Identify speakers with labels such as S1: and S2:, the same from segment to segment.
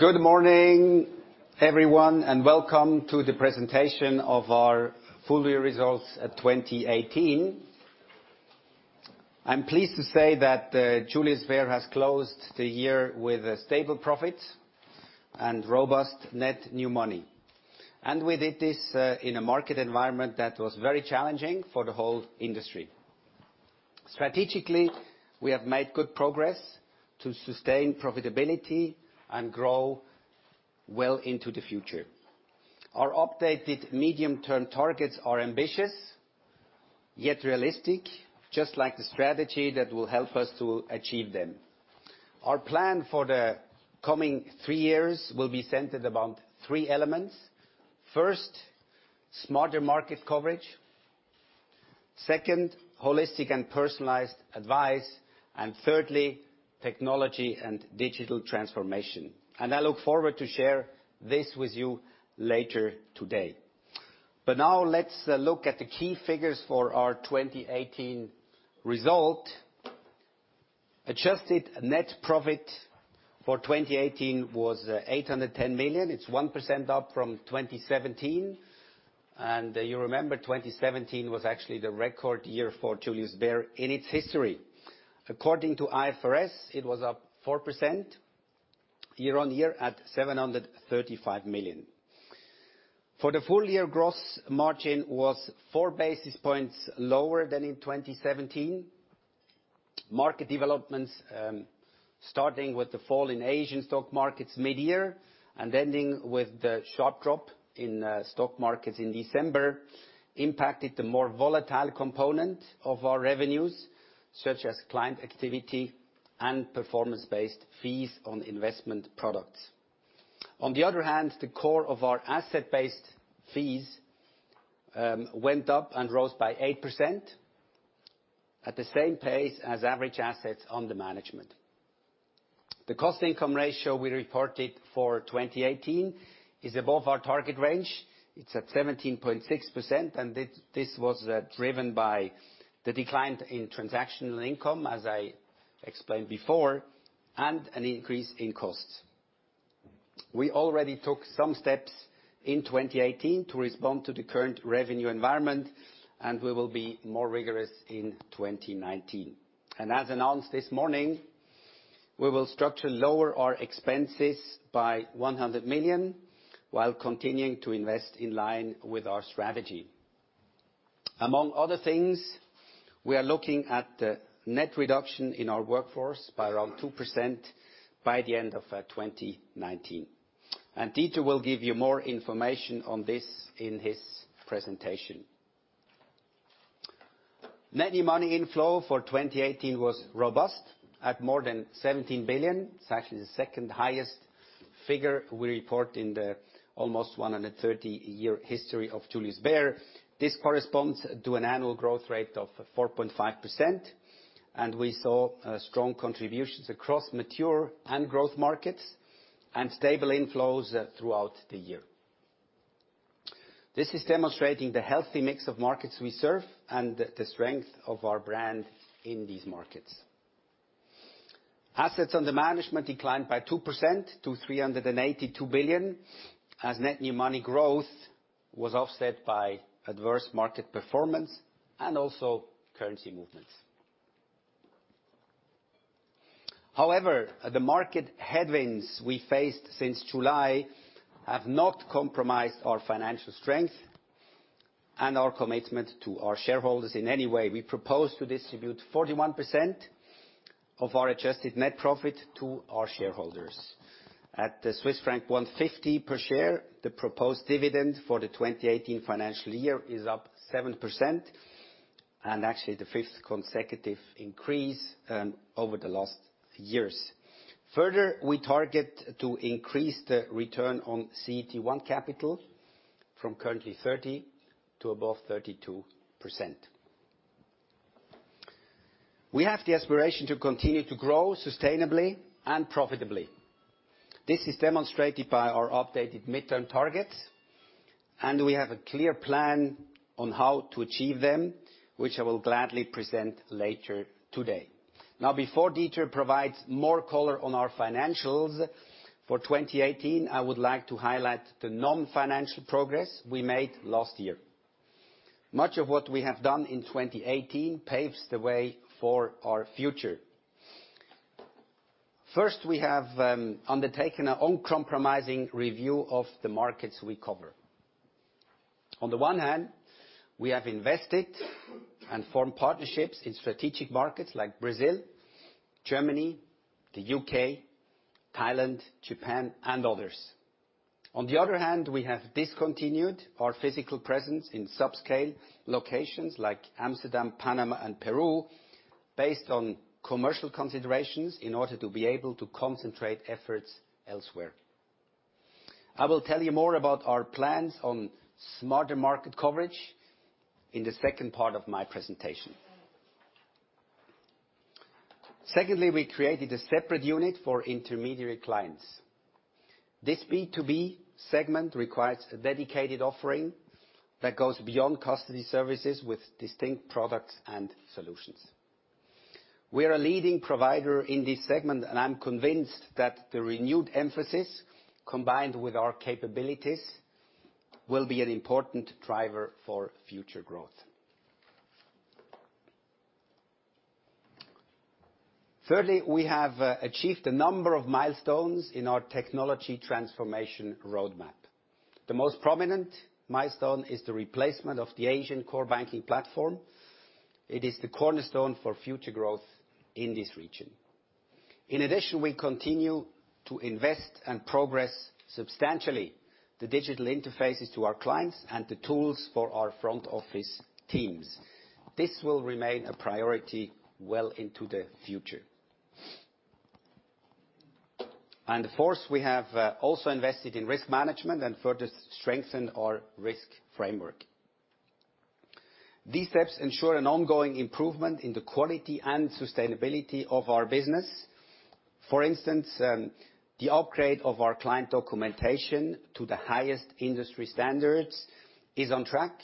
S1: Good morning, everyone. Welcome to the presentation of our full year results of 2018. I'm pleased to say that Julius Bär has closed the year with a stable profit and robust net new money. We did this in a market environment that was very challenging for the whole industry. Strategically, we have made good progress to sustain profitability and grow well into the future. Our updated medium-term targets are ambitious, yet realistic, just like the strategy that will help us to achieve them. Our plan for the coming three years will be centered about three elements. First, smarter market coverage. Second, holistic and personalized advice. Thirdly, technology and digital transformation. I look forward to share this with you later today. Now let's look at the key figures for our 2018 result. Adjusted net profit for 2018 was 810 million. It's 1% up from 2017. You remember 2017 was actually the record year for Julius Bär in its history. According to IFRS, it was up 4% year-on-year at 735 million. For the full year, gross margin was four basis points lower than in 2017. Market developments, starting with the fall in Asian stock markets mid-year and ending with the sharp drop in stock markets in December, impacted the more volatile component of our revenues, such as client activity and performance-based fees on investment products. On the other hand, the core of our asset-based fees went up and rose by 8%, at the same pace as average assets under management. The cost-income ratio we reported for 2018 is above our target range. It's at 17.6%. This was driven by the decline in transactional income, as I explained before, and an increase in costs. We already took some steps in 2018 to respond to the current revenue environment. We will be more rigorous in 2019. As announced this morning, we will structure lower our expenses by 100 million while continuing to invest in line with our strategy. Among other things, we are looking at net reduction in our workforce by around 2% by the end of 2019. Dieter will give you more information on this in his presentation. Net new money inflow for 2018 was robust at more than 17 billion. It's actually the second highest figure we report in the almost 130-year history of Julius Bär. This corresponds to an annual growth rate of 4.5%. We saw strong contributions across mature and growth markets and stable inflows throughout the year. This is demonstrating the healthy mix of markets we serve and the strength of our brand in these markets. Assets under management declined by 2% to 382 billion, as net new money growth was offset by adverse market performance and also currency movements. However, the market headwinds we faced since July have not compromised our financial strength and our commitment to our shareholders in any way. We propose to distribute 41% of our adjusted net profit to our shareholders. At Swiss franc 150 per share, the proposed dividend for the 2018 financial year is up 7%, and actually the fifth consecutive increase over the last years. Further, we target to increase the return on CET1 capital from currently 30% to above 32%. We have the aspiration to continue to grow sustainably and profitably. This is demonstrated by our updated mid-term targets. We have a clear plan on how to achieve them, which I will gladly present later today. Before Dieter provides more color on our financials for 2018, I would like to highlight the non-financial progress we made last year. Much of what we have done in 2018 paves the way for our future. First, we have undertaken an uncompromising review of the markets we cover. On the one hand, we have invested and formed partnerships in strategic markets like Brazil, Germany, the U.K., Thailand, Japan, and others. On the other hand, we have discontinued our physical presence in subscale locations like Amsterdam, Panama, and Peru, based on commercial considerations in order to be able to concentrate efforts elsewhere. I will tell you more about our plans on smarter market coverage in the second part of my presentation. We created a separate unit for intermediary clients. This B2B segment requires a dedicated offering that goes beyond custody services with distinct products and solutions. We are a leading provider in this segment, and I'm convinced that the renewed emphasis, combined with our capabilities, will be an important driver for future growth. Thirdly, we have achieved a number of milestones in our technology transformation roadmap. The most prominent milestone is the replacement of the Asian core banking platform. It is the cornerstone for future growth in this region. In addition, we continue to invest and progress substantially the digital interfaces to our clients and the tools for our front office teams. This will remain a priority well into the future. Fourth, we have also invested in risk management and further strengthened our risk framework. These steps ensure an ongoing improvement in the quality and sustainability of our business. For instance, the upgrade of our client documentation to the highest industry standards is on track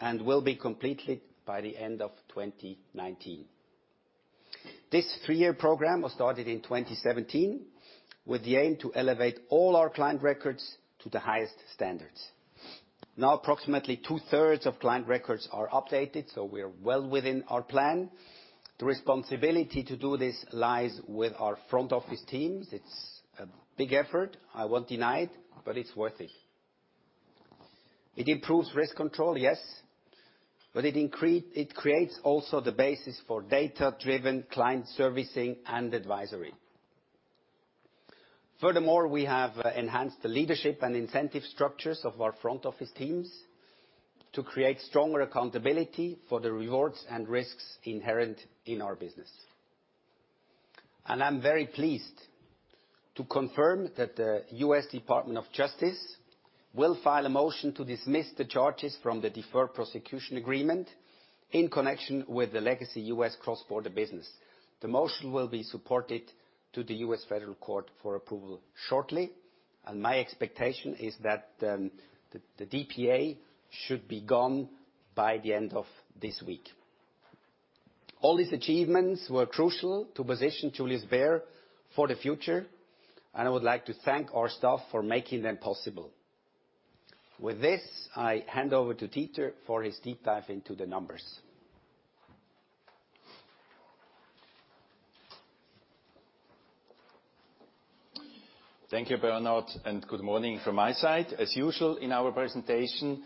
S1: and will be completed by the end of 2019. This three-year program was started in 2017 with the aim to elevate all our client records to the highest standards. Approximately two-thirds of client records are updated, so we are well within our plan. The responsibility to do this lies with our front office teams. It's a big effort, I won't deny it, but it's worth it. It improves risk control, yes, but it creates also the basis for data-driven client servicing and advisory. We have enhanced the leadership and incentive structures of our front office teams to create stronger accountability for the rewards and risks inherent in our business. I'm very pleased to confirm that the US Department of Justice will file a motion to dismiss the charges from the deferred prosecution agreement in connection with the legacy US cross-border business. The motion will be supported to the US Federal Court for approval shortly, and my expectation is that the DPA should be gone by the end of this week. All these achievements were crucial to position Julius Bär for the future, and I would like to thank our staff for making them possible. With this, I hand over to Dieter for his deep dive into the numbers.
S2: Thank you, Bernhard, good morning from my side. As usual, in our presentation,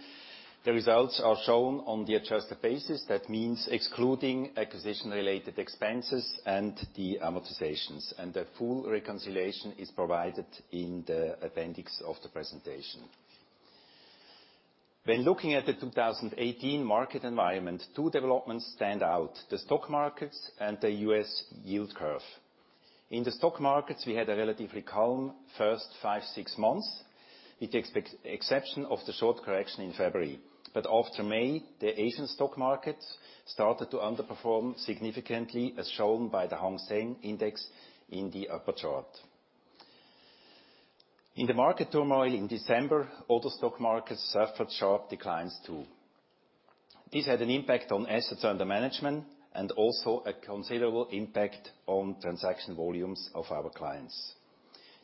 S2: the results are shown on the adjusted basis. That means excluding acquisition-related expenses and the amortizations, and the full reconciliation is provided in the appendix of the presentation. When looking at the 2018 market environment, two developments stand out, the stock markets and the U.S. yield curve. In the stock markets, we had a relatively calm first five, six months, with the exception of the short correction in February. After May, the Asian stock market started to underperform significantly, as shown by the Hang Seng index in the upper chart. In the market turmoil in December, other stock markets suffered sharp declines, too. This had an impact on assets under management and also a considerable impact on transaction volumes of our clients.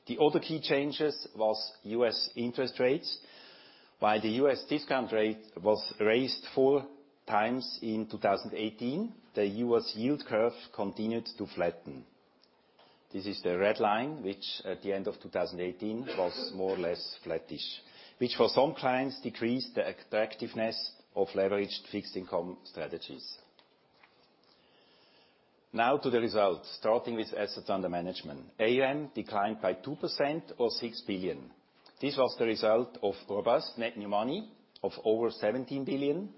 S2: The other key changes was U.S. interest rates. While the U.S. discount rate was raised four times in 2018, the U.S. yield curve continued to flatten. This is the red line, which at the end of 2018 was more or less flattish, which for some clients decreased the attractiveness of leveraged fixed income strategies. To the results, starting with assets under management. AUM declined by 2% or $6 billion. This was the result of robust net new money of over $17 billion,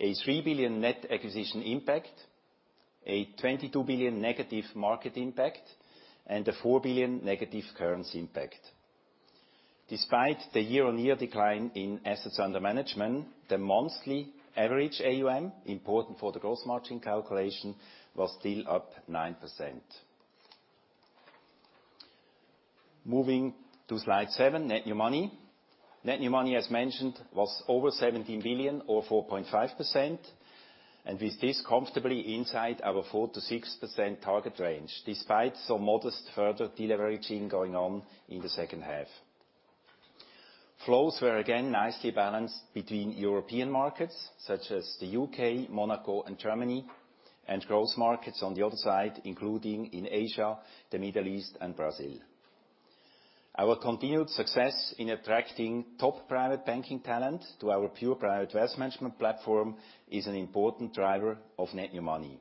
S2: a $3 billion net acquisition impact, a $22 billion negative market impact, and a $4 billion negative currency impact. Despite the year-on-year decline in assets under management, the monthly average AUM, important for the gross margin calculation, was still up 9%. Moving to slide seven, net new money. Net new money, as mentioned, was over $17 billion or 4.5%, and with this comfortably inside our 4%-6% target range, despite some modest further deleveraging going on in the second half. Flows were again nicely balanced between European markets, such as the U.K., Monaco, and Germany, and growth markets on the other side, including in Asia, the Middle East, and Brazil. Our continued success in attracting top private banking talent to our pure private wealth management platform is an important driver of net new money.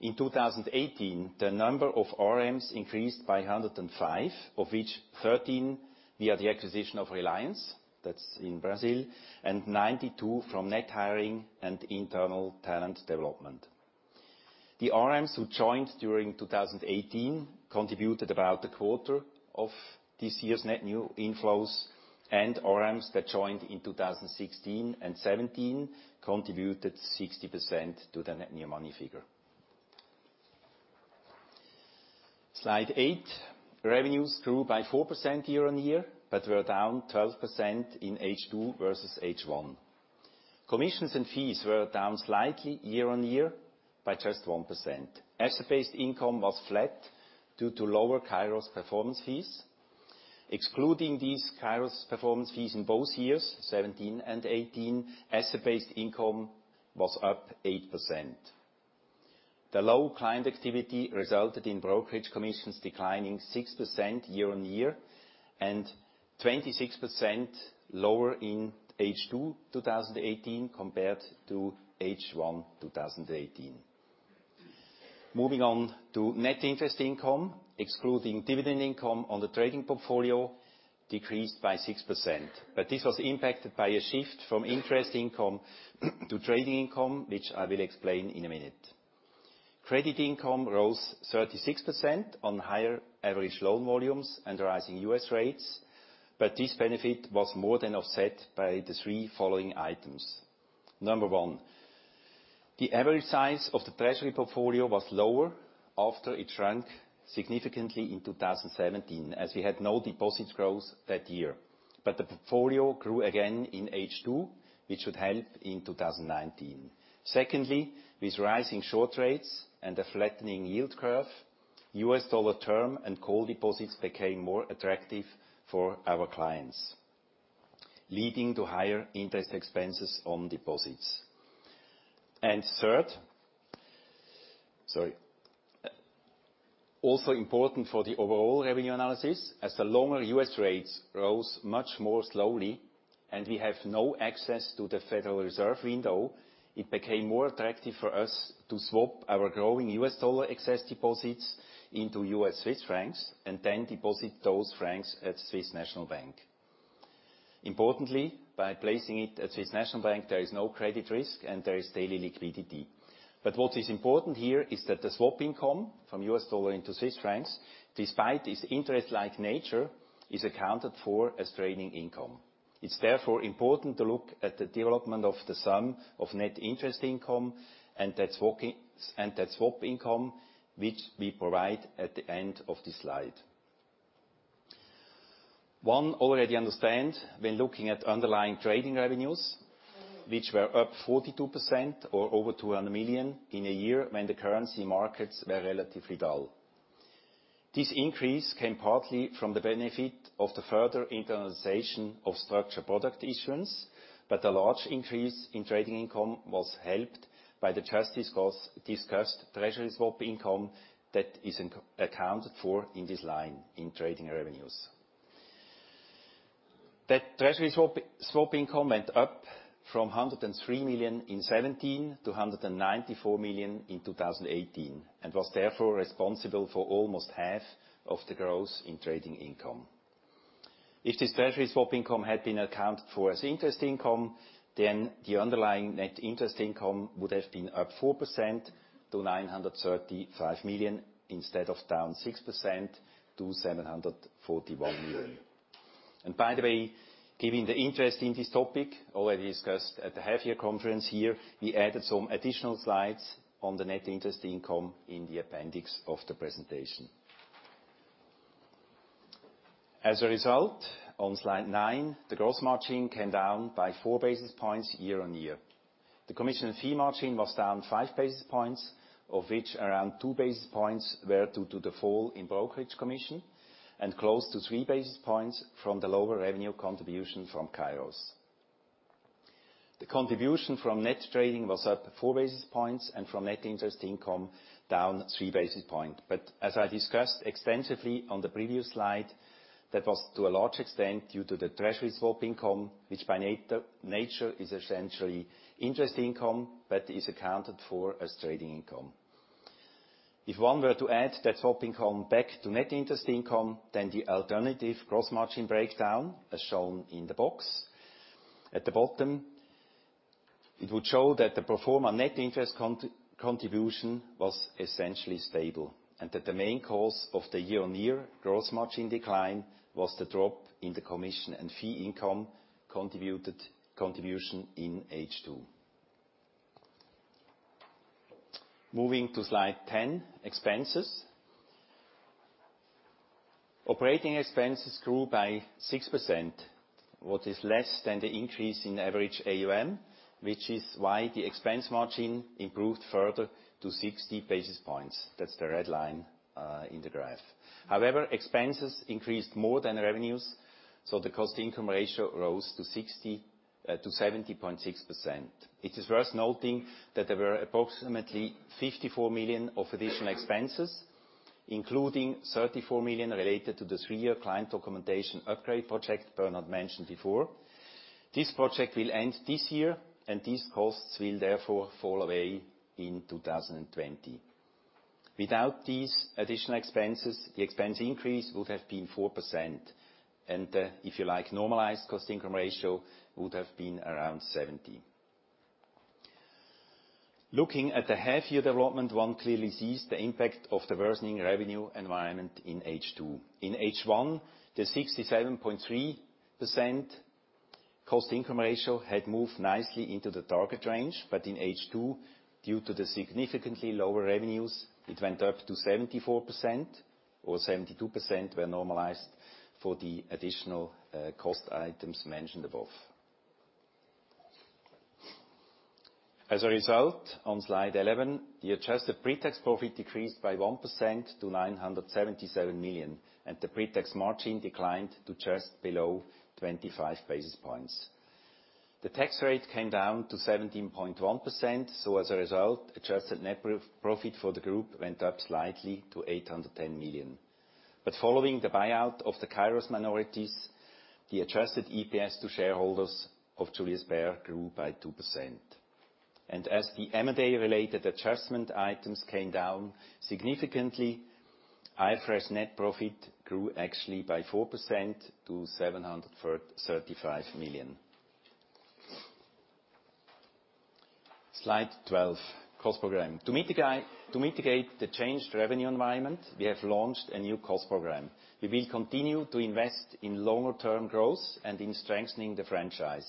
S2: In 2018, the number of RMs increased by 105, of which 13 via the acquisition of Reliance, that's in Brazil, and 92 from net hiring and internal talent development. The RMs who joined during 2018 contributed about a quarter of this year's net new inflows, and RMs that joined in 2016 and 2017 contributed 60% to the net new money figure. Slide eight. Revenues grew by 4% year-on-year, were down 12% in H2 versus H1. Commissions and fees were down slightly year-on-year by just 1%. Asset-based income was flat due to lower Kairos performance fees. Excluding these Kairos performance fees in both years 2017 and 2018, asset-based income was up 8%. The low client activity resulted in brokerage commissions declining 6% year-on-year and 26% lower in H2 2018 compared to H1 2018. Moving on to net interest income, excluding dividend income on the trading portfolio, decreased by 6%, this was impacted by a shift from interest income to trading income, which I will explain in a minute. Credit income rose 36% on higher average loan volumes and rising U.S. rates, this benefit was more than offset by the three following items. Number one, the average size of the treasury portfolio was lower after it shrunk significantly in 2017, as we had no deposit growth that year. The portfolio grew again in H2, which should help in 2019. Secondly, with rising short rates and a flattening yield curve, U.S. dollar term and call deposits became more attractive for our clients, leading to higher interest expenses on deposits. Third, also important for the overall revenue analysis, as the longer U.S. rates rose much more slowly and we have no access to the Federal Reserve window, it became more attractive for us to swap our growing U.S. dollar excess deposits into U.S. CHF and then deposit those CHF at Swiss National Bank. Importantly, by placing it at Swiss National Bank, there is no credit risk and there is daily liquidity. What is important here is that the swap income from U.S. dollar into CHF, despite its interest-like nature, is accounted for as trading income. It's therefore important to look at the development of the sum of net interest income and that swap income, which we provide at the end of this slide. One already understand when looking at underlying trading revenues, which were up 42% or over 200 million in a year when the currency markets were relatively dull. This increase came partly from the benefit of the further internalization of structured product issuance, a large increase in trading income was helped by the just discussed treasury swap income that is accounted for in this line in trading revenues. That treasury swap income went up from 103 million in 2017 to 194 million in 2018, was therefore responsible for almost half of the growth in trading income. If this treasury swap income had been accounted for as interest income, then the underlying net interest income would have been up 4% to 935 million instead of down 6% to 741 million. By the way, given the interest in this topic, already discussed at the half year conference here, we added some additional slides on the net interest income in the appendix of the presentation. As a result, on slide nine, the gross margin came down by four basis points year-on-year. The commission fee margin was down five basis points, of which around two basis points were due to the fall in brokerage commission, and close to three basis points from the lower revenue contribution from Kairos. The contribution from net trading was up 4 basis points, and from net interest income down 3 basis point. As I discussed extensively on the previous slide, that was to a large extent due to the treasury swap income, which by nature is essentially interest income, but is accounted for as trading income. If one were to add that swap income back to net interest income, then the alternative gross margin breakdown, as shown in the box at the bottom, it would show that the pro forma net interest contribution was essentially stable, and that the main cause of the year-on-year gross margin decline was the drop in the commission and fee income contribution in H2. Moving to slide 10, expenses. Operating expenses grew by 6%, what is less than the increase in average AUM, which is why the expense margin improved further to 60 basis points. That's the red line in the graph. Expenses increased more than revenues, so the cost-income ratio rose to 70.6%. It is worth noting that there were approximately 54 million of additional expenses, including 34 million related to the three-year client documentation upgrade project Bernhard mentioned before. This project will end this year, and these costs will therefore fall away in 2020. Without these additional expenses, the expense increase would have been 4%. If you like, normalized cost-income ratio would have been around 70%. Looking at the half year development, one clearly sees the impact of the worsening revenue environment in H2. In H1, the 67.3% cost-income ratio had moved nicely into the target range, but in H2, due to the significantly lower revenues, it went up to 74%, or 72% when normalized for the additional cost items mentioned above. As a result, on slide 11, the adjusted pre-tax profit decreased by 1% to 977 million. The pre-tax margin declined to just below 25 basis points. The tax rate came down to 17.1%, so as a result, adjusted net profit for the group went up slightly to 810 million. Following the buyout of the Kairos minorities, the adjusted EPS to shareholders of Julius Bär grew by 2%. As the M&A-related adjustment items came down significantly, IFRS net profit grew actually by 4% to 735 million. Slide 12, cost program. To mitigate the changed revenue environment, we have launched a new cost program. We will continue to invest in longer term growth and in strengthening the franchise.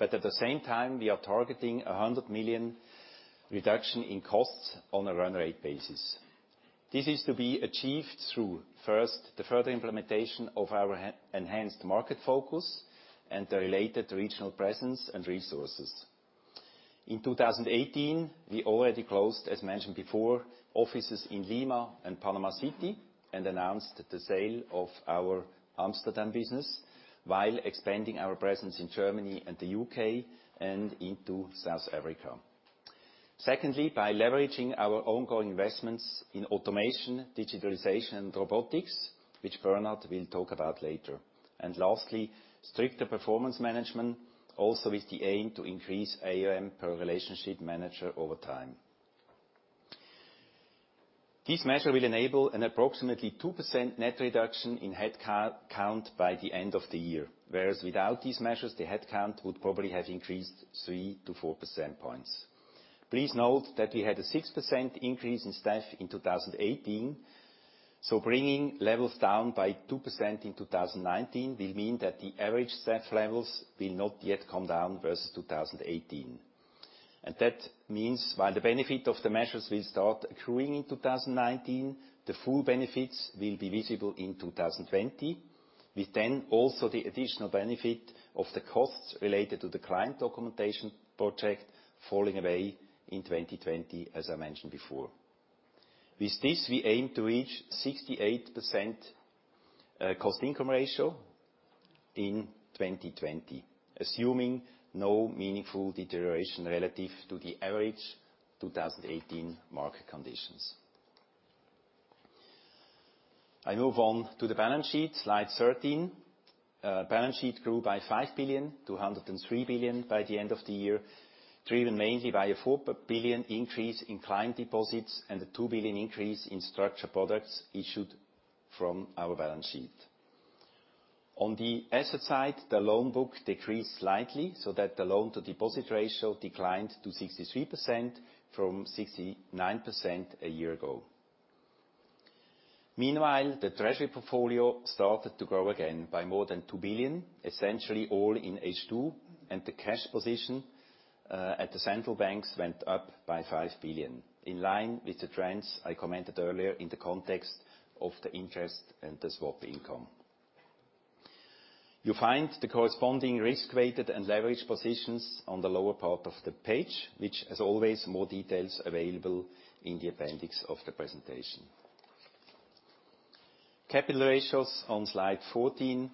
S2: At the same time, we are targeting 100 million reduction in costs on a run rate basis. This is to be achieved through, first, the further implementation of our enhanced market focus and the related regional presence and resources. In 2018, we already closed, as mentioned before, offices in Lima and Panama City, and announced the sale of our Amsterdam business, while expanding our presence in Germany and the U.K. and into South Africa. Secondly, by leveraging our ongoing investments in automation, digitalization, and robotics, which Bernhard will talk about later. Lastly, stricter performance management, also with the aim to increase AUM per relationship manager over time. This measure will enable an approximately 2% net reduction in head count by the end of the year, whereas without these measures, the head count would probably have increased 3-4 percentage points. Please note that we had a 6% increase in staff in 2018, so bringing levels down by 2% in 2019 will mean that the average staff levels will not yet come down versus 2018. That means, while the benefit of the measures will start accruing in 2019, the full benefits will be visible in 2020, with then also the additional benefit of the costs related to the client documentation project falling away in 2020, as I mentioned before. With this, we aim to reach 68% cost-income ratio in 2020, assuming no meaningful deterioration relative to the average 2018 market conditions. I move on to the balance sheet, slide 13. Balance sheet grew by 5 billion, to 103 billion by the end of the year, driven mainly by a 4 billion increase in client deposits and a 2 billion increase in structured products issued from our balance sheet. On the asset side, the loan book decreased slightly, that the loan-to-deposit ratio declined to 63% from 69% a year ago. Meanwhile, the treasury portfolio started to grow again by more than 2 billion, essentially all in H2, and the cash position at the central banks went up by 5 billion, in line with the trends I commented earlier in the context of the interest and the swap income. You'll find the corresponding risk-weighted and leverage positions on the lower part of the page, which, as always, more details available in the appendix of the presentation. Capital ratios on slide 14.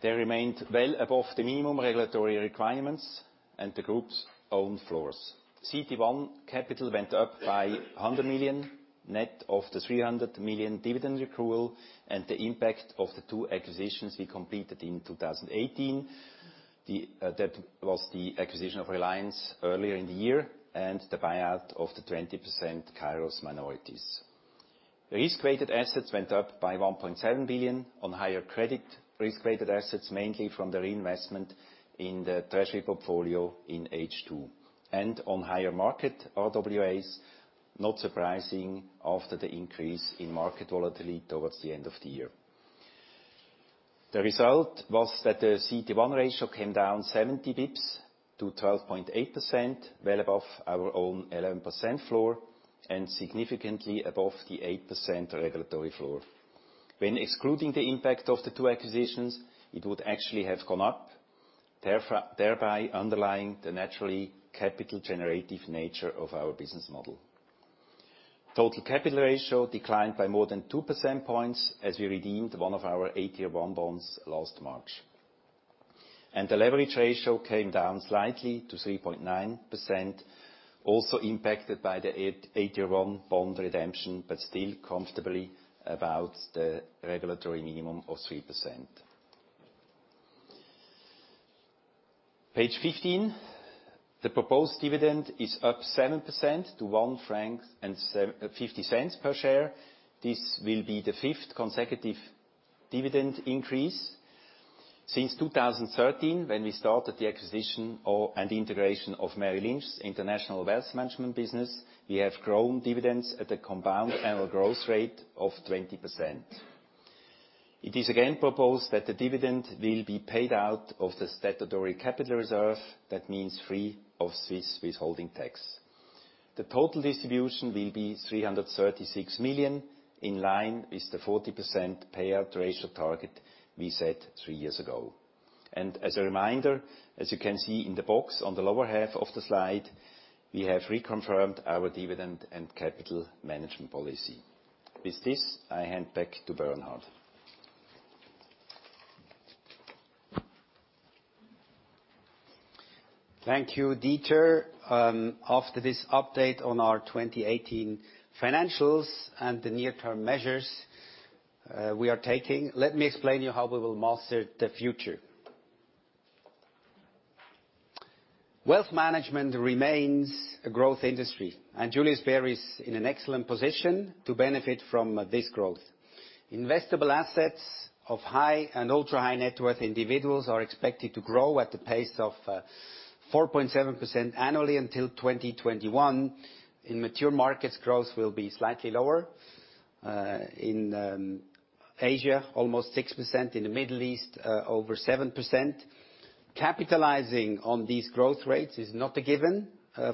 S2: They remained well above the minimum regulatory requirements and the group's own floors. CET1 capital went up by 100 million, net of the 300 million dividend accrual and the impact of the two acquisitions we completed in 2018. That was the acquisition of Reliance earlier in the year and the buyout of the 20% Kairos minorities. The risk-weighted assets went up by 1.7 billion on higher credit risk-weighted assets, mainly from the reinvestment in the treasury portfolio in H2. On higher market RWAs, not surprising after the increase in market volatility towards the end of the year. The result was that the CET1 ratio came down 70 basis points to 12.8%, well above our own 11% floor, and significantly above the 8% regulatory floor. When excluding the impact of the two acquisitions, it would actually have gone up, thereby underlying the naturally capital generative nature of our business model. Total capital ratio declined by more than two percentage points, as we redeemed one of our AT1 bonds last March. The leverage ratio came down slightly to 3.9%, also impacted by the AT1 bond redemption, but still comfortably above the regulatory minimum of 3%. Page 15, the proposed dividend is up 7% to 1.50 franc per share. This will be the fifth consecutive dividend increase. Since 2013, when we started the acquisition and integration of Merrill Lynch's International Wealth Management business, we have grown dividends at a compound annual growth rate of 20%. It is again proposed that the dividend will be paid out of the statutory capital reserve, that means free of Swiss withholding tax. The total distribution will be 336 million, in line with the 40% payout ratio target we set three years ago. As a reminder, as you can see in the box on the lower half of the slide, we have reconfirmed our dividend and capital management policy. With this, I hand back to Bernhard.
S1: Thank you, Dieter. After this update on our 2018 financials and the near-term measures we are taking, let me explain to you how we will master the future. Wealth management remains a growth industry, and Julius Bär is in an excellent position to benefit from this growth. Investable assets of high and ultra-high net worth individuals are expected to grow at a pace of 4.7% annually until 2021. In mature markets, growth will be slightly lower. In Asia, almost 6%. In the Middle East, over 7%. Capitalizing on these growth rates is not a given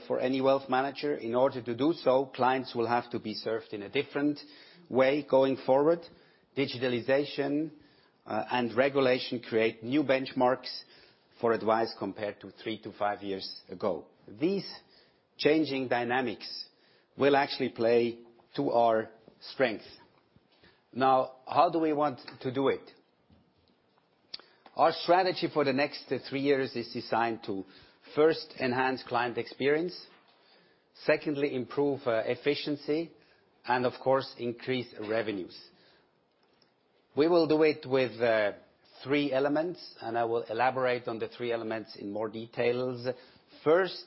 S1: for any wealth manager. In order to do so, clients will have to be served in a different way going forward. Digitalization and regulation create new benchmarks for advice compared to three to five years ago. These changing dynamics will actually play to our strength. Now, how do we want to do it? Our strategy for the next three years is designed to first enhance client experience, secondly, improve efficiency, and of course, increase revenues. We will do it with three elements, and I will elaborate on the three elements in more details. First,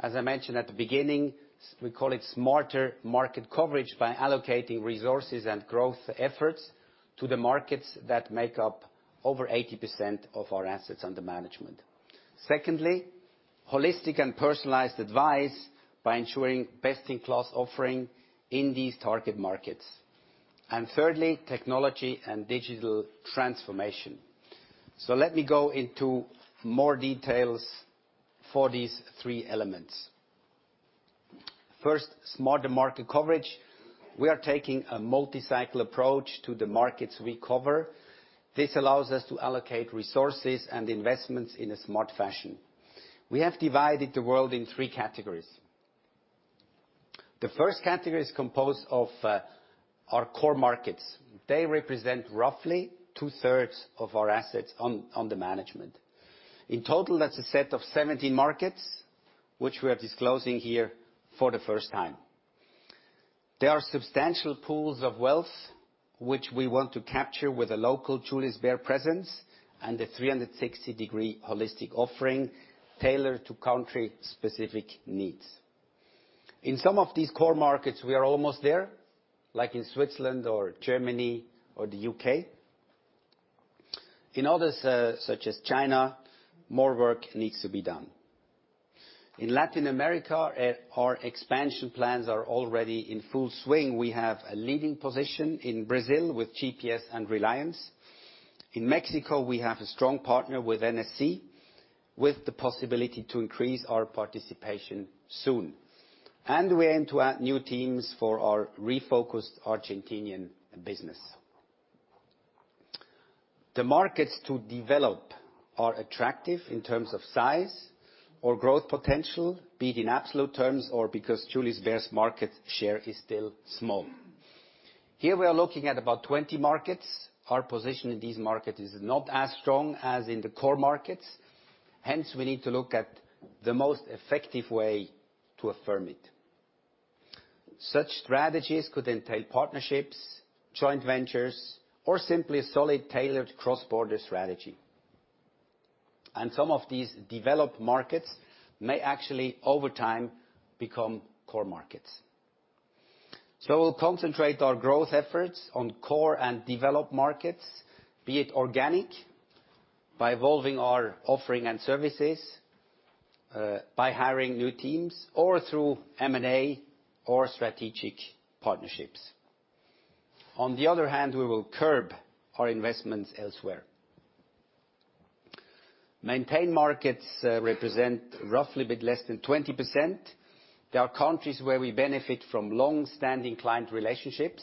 S1: as I mentioned at the beginning, we call it smarter market coverage by allocating resources and growth efforts to the markets that make up over 80% of our assets under management. Secondly, holistic and personalized advice by ensuring best-in-class offering in these target markets. Thirdly, technology and digital transformation. Let me go into more details for these three elements. First, smarter market coverage. We are taking a multi-cycle approach to the markets we cover. This allows us to allocate resources and investments in a smart fashion. We have divided the world in three categories. The first category is composed of our core markets. They represent roughly two-thirds of our assets under management. In total, that's a set of 17 markets, which we are disclosing here for the first time. There are substantial pools of wealth which we want to capture with a local Julius Bär presence and a 360-degree holistic offering tailored to country-specific needs. In some of these core markets, we are almost there, like in Switzerland or Germany or the U.K. In others, such as China, more work needs to be done. In Latin America, our expansion plans are already in full swing. We have a leading position in Brazil with GPS and Reliance. In Mexico, we have a strong partner with NSC, with the possibility to increase our participation soon. We aim to add new teams for our refocused Argentinian business. The markets to develop are attractive in terms of size or growth potential, be it in absolute terms or because Julius Bär's market share is still small. Here, we are looking at about 20 markets. Our position in these markets is not as strong as in the core markets. Hence, we need to look at the most effective way to affirm it. Such strategies could entail partnerships, joint ventures, or simply a solid tailored cross-border strategy. Some of these developed markets may actually, over time, become core markets. We'll concentrate our growth efforts on core and developed markets, be it organic, by evolving our offering and services, by hiring new teams or through M&A or strategic partnerships. On the other hand, we will curb our investments elsewhere. Maintained markets represent roughly a bit less than 20%. There are countries where we benefit from long-standing client relationships.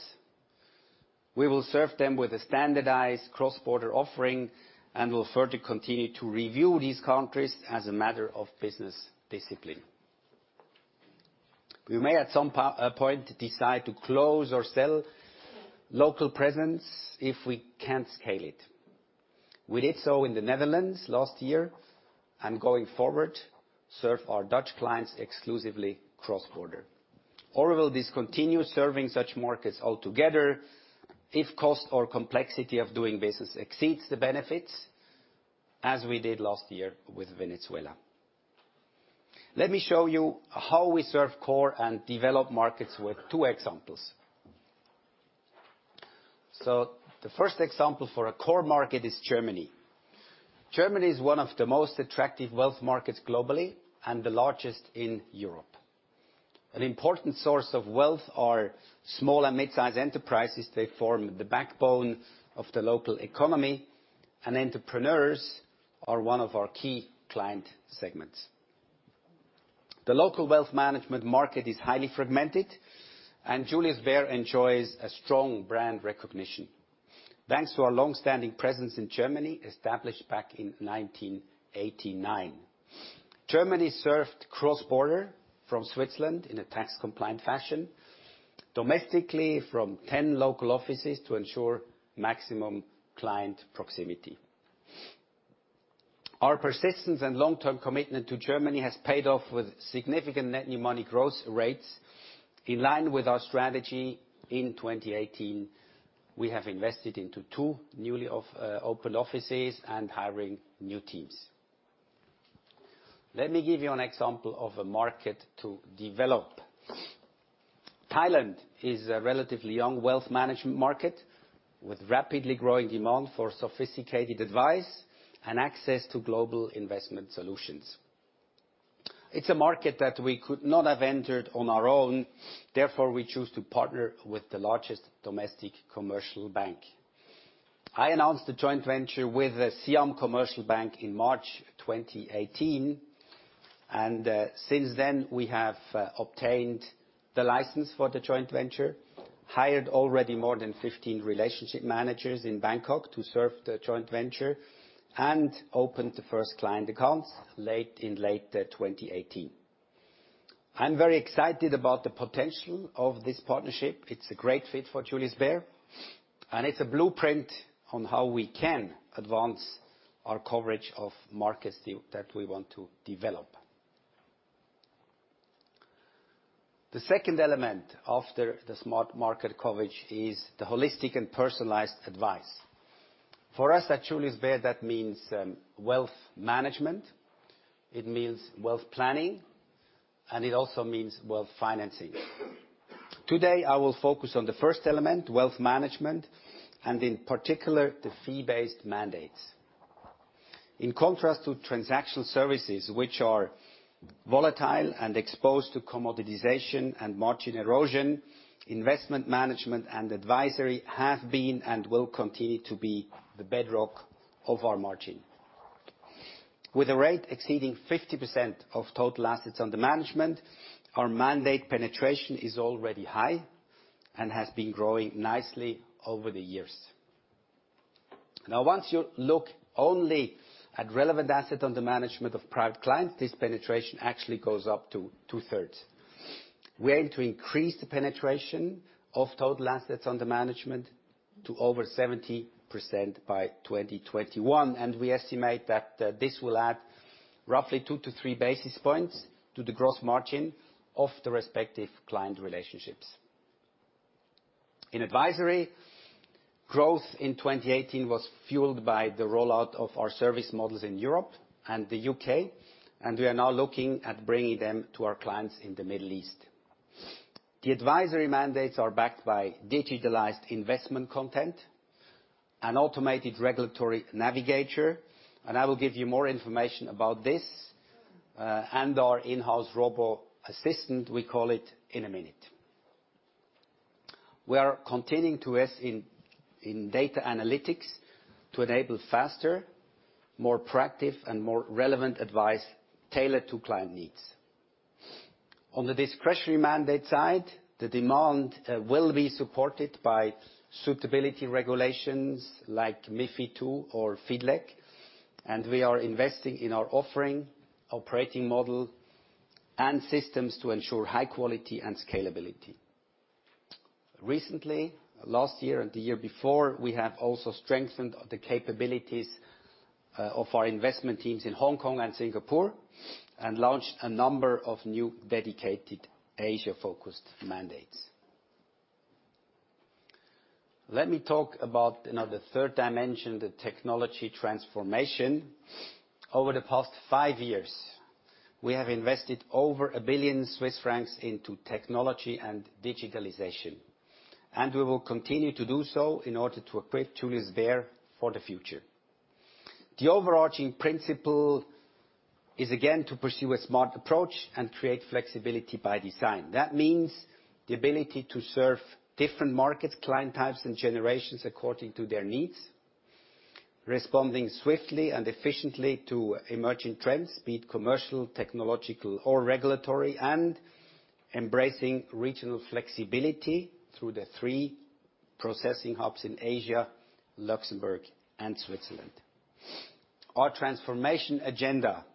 S1: We will serve them with a standardized cross-border offering and will further continue to review these countries as a matter of business discipline. We may, at some point, decide to close or sell local presence if we can't scale it. We did so in the Netherlands last year, and going forward, serve our Dutch clients exclusively cross-border. Or we'll discontinue serving such markets altogether if cost or complexity of doing business exceeds the benefits, as we did last year with Venezuela. Let me show you how we serve core and developed markets with two examples. The first example for a core market is Germany. Germany is one of the most attractive wealth markets globally and the largest in Europe. An important source of wealth are small and mid-size enterprises. They form the backbone of the local economy, and entrepreneurs are one of our key client segments. The local wealth management market is highly fragmented, and Julius Bär enjoys a strong brand recognition. Thanks to our long-standing presence in Germany, established back in 1989. Germany served cross-border from Switzerland in a tax compliant fashion, domestically from 10 local offices to ensure maximum client proximity. Our persistence and long-term commitment to Germany has paid off with significant net new money growth rates. In line with our strategy in 2018, we have invested into two newly opened offices and hiring new teams. Let me give you an example of a market to develop. Thailand is a relatively young wealth management market with rapidly growing demand for sophisticated advice and access to global investment solutions. It's a market that we could not have entered on our own. Therefore, we choose to partner with the largest domestic commercial bank. I announced a joint venture with the Siam Commercial Bank in March 2018, and since then, we have obtained the license for the joint venture, hired already more than 15 relationship managers in Bangkok to serve the joint venture, and opened the first client accounts in late 2018. I'm very excited about the potential of this partnership. It's a great fit for Julius Bär, and it's a blueprint on how we can advance our coverage of markets that we want to develop. The second element after the smart market coverage is the holistic and personalized advice. For us at Julius Bär that means wealth management, it means wealth planning, and it also means wealth financing. Today, I will focus on the first element, wealth management, and in particular, the fee-based mandates. In contrast to transactional services, which are volatile and exposed to commoditization and margin erosion, investment management and advisory have been and will continue to be the bedrock of our margin. With a rate exceeding 50% of total assets under management, our mandate penetration is already high and has been growing nicely over the years. Now, once you look only at relevant assets under management of private clients, this penetration actually goes up to two-thirds. We aim to increase the penetration of total assets under management to over 70% by 2021, and we estimate that this will add roughly two to three basis points to the gross margin of the respective client relationships. In advisory, growth in 2018 was fueled by the rollout of our service models in Europe and the U.K., and we are now looking at bringing them to our clients in the Middle East. The advisory mandates are backed by digitalized investment content and automated regulatory navigator. I will give you more information about this, and our in-house robo assistant, we call it, in a minute. We are continuing to invest in data analytics to enable faster, more proactive, and more relevant advice tailored to client needs. On the discretionary mandate side, the demand will be supported by suitability regulations like MiFID II or FIDLEG, and we are investing in our offering, operating model, and systems to ensure high quality and scalability. Recently, last year and the year before, we have also strengthened the capabilities of our investment teams in Hong Kong and Singapore and launched a number of new dedicated Asia-focused mandates. Let me talk about another third dimension, the technology transformation. Over the past five years, we have invested over 1 billion Swiss francs into technology and digitalization. We will continue to do so in order to equip Julius Bär for the future. The overarching principle is again, to pursue a smart approach and create flexibility by design. That means the ability to serve different markets, client types, and generations according to their needs. Responding swiftly and efficiently to emerging trends, be it commercial, technological or regulatory, and embracing regional flexibility through the three processing hubs in Asia, Luxembourg and Switzerland. Our transformation agenda,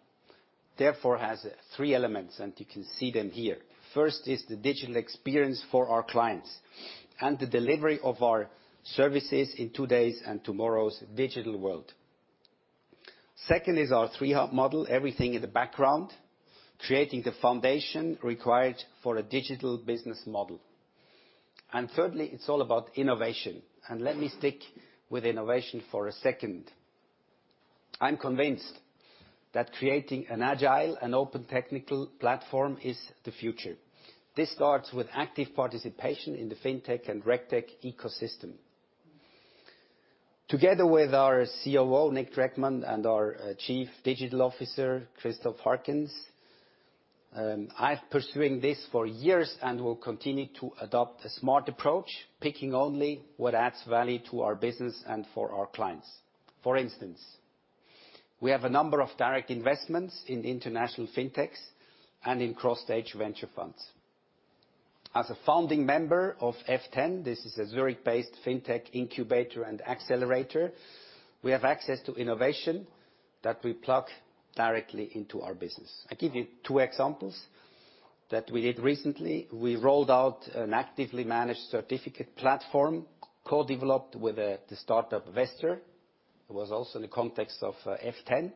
S1: therefore, has three elements, and you can see them here. First is the digital experience for our clients and the delivery of our services in today's and tomorrow's digital world. Second is our three hub model, everything in the background, creating the foundation required for a digital business model. Thirdly, it's all about innovation. Let me stick with innovation for a second. I'm convinced that creating an agile and open technical platform is the future. This starts with active participation in the fintech and regtech ecosystem. Together with our COO, Nic Dreckmann, and our Chief Digital Officer, Christoph Hartgens, I'm pursuing this for years and will continue to adopt a smart approach, picking only what adds value to our business and for our clients. For instance, we have a number of direct investments in international fintechs and in cross-stage venture funds. As a founding member of F10, this is a Zurich-based fintech incubator and accelerator. We have access to innovation that we plug directly into our business. I give you two examples that we did recently. We rolled out an actively managed certificate platform, co-developed with the startup Vestr, was also in the context of F10.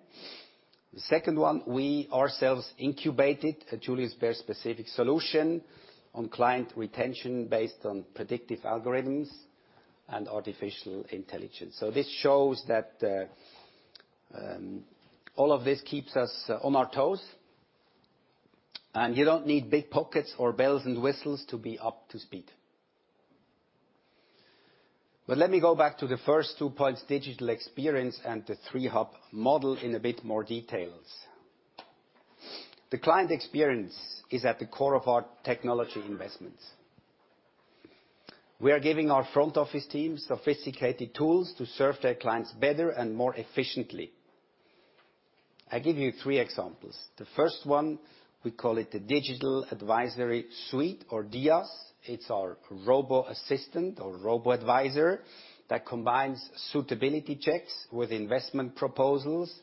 S1: The second one, we ourselves incubated a Julius Bär specific solution on client retention based on predictive algorithms and artificial intelligence. This shows that all of this keeps us on our toes. You don't need big pockets or bells and whistles to be up to speed. Let me go back to the first two points, digital experience and the three-hub model in a bit more details. The client experience is at the core of our technology investments. We are giving our front office teams sophisticated tools to serve their clients better and more efficiently. I give you three examples. The first one, we call it the Digital Advisory Suite or DiAS. It's our robo-assistant or robo-advisor that combines suitability checks with investment proposals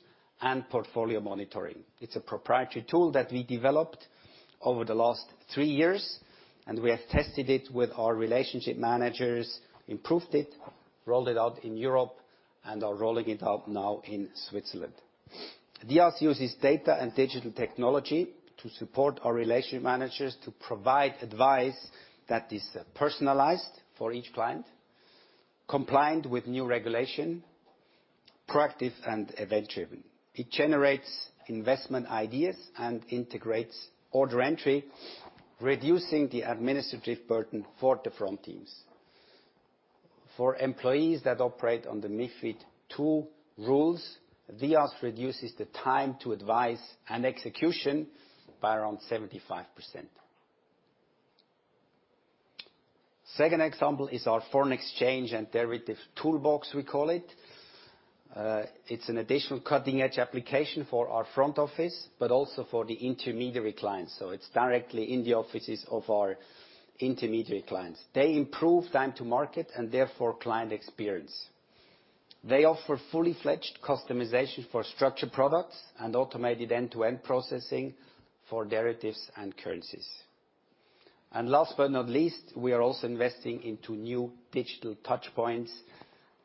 S1: and portfolio monitoring. It's a proprietary tool that we developed over the last three years. We have tested it with our relationship managers, improved it, rolled it out in Europe, and are rolling it out now in Switzerland. DiAS uses data and digital technology to support our relationship managers to provide advice that is personalized for each client, compliant with new regulation, proactive, and event-driven. It generates investment ideas and integrates order entry, reducing the administrative burden for the front teams. For employees that operate on the MiFID II rules, DiAS reduces the time to advise an execution by around 75%. Second example is our foreign exchange and derivative toolbox, we call it. It's an additional cutting-edge application for our front office, but also for the intermediary clients. It's directly in the offices of our intermediary clients. They improve time to market and therefore client experience. They offer fully fledged customization for structured products and automated end-to-end processing for derivatives and currencies. Last but not least, we are also investing into new digital touchpoints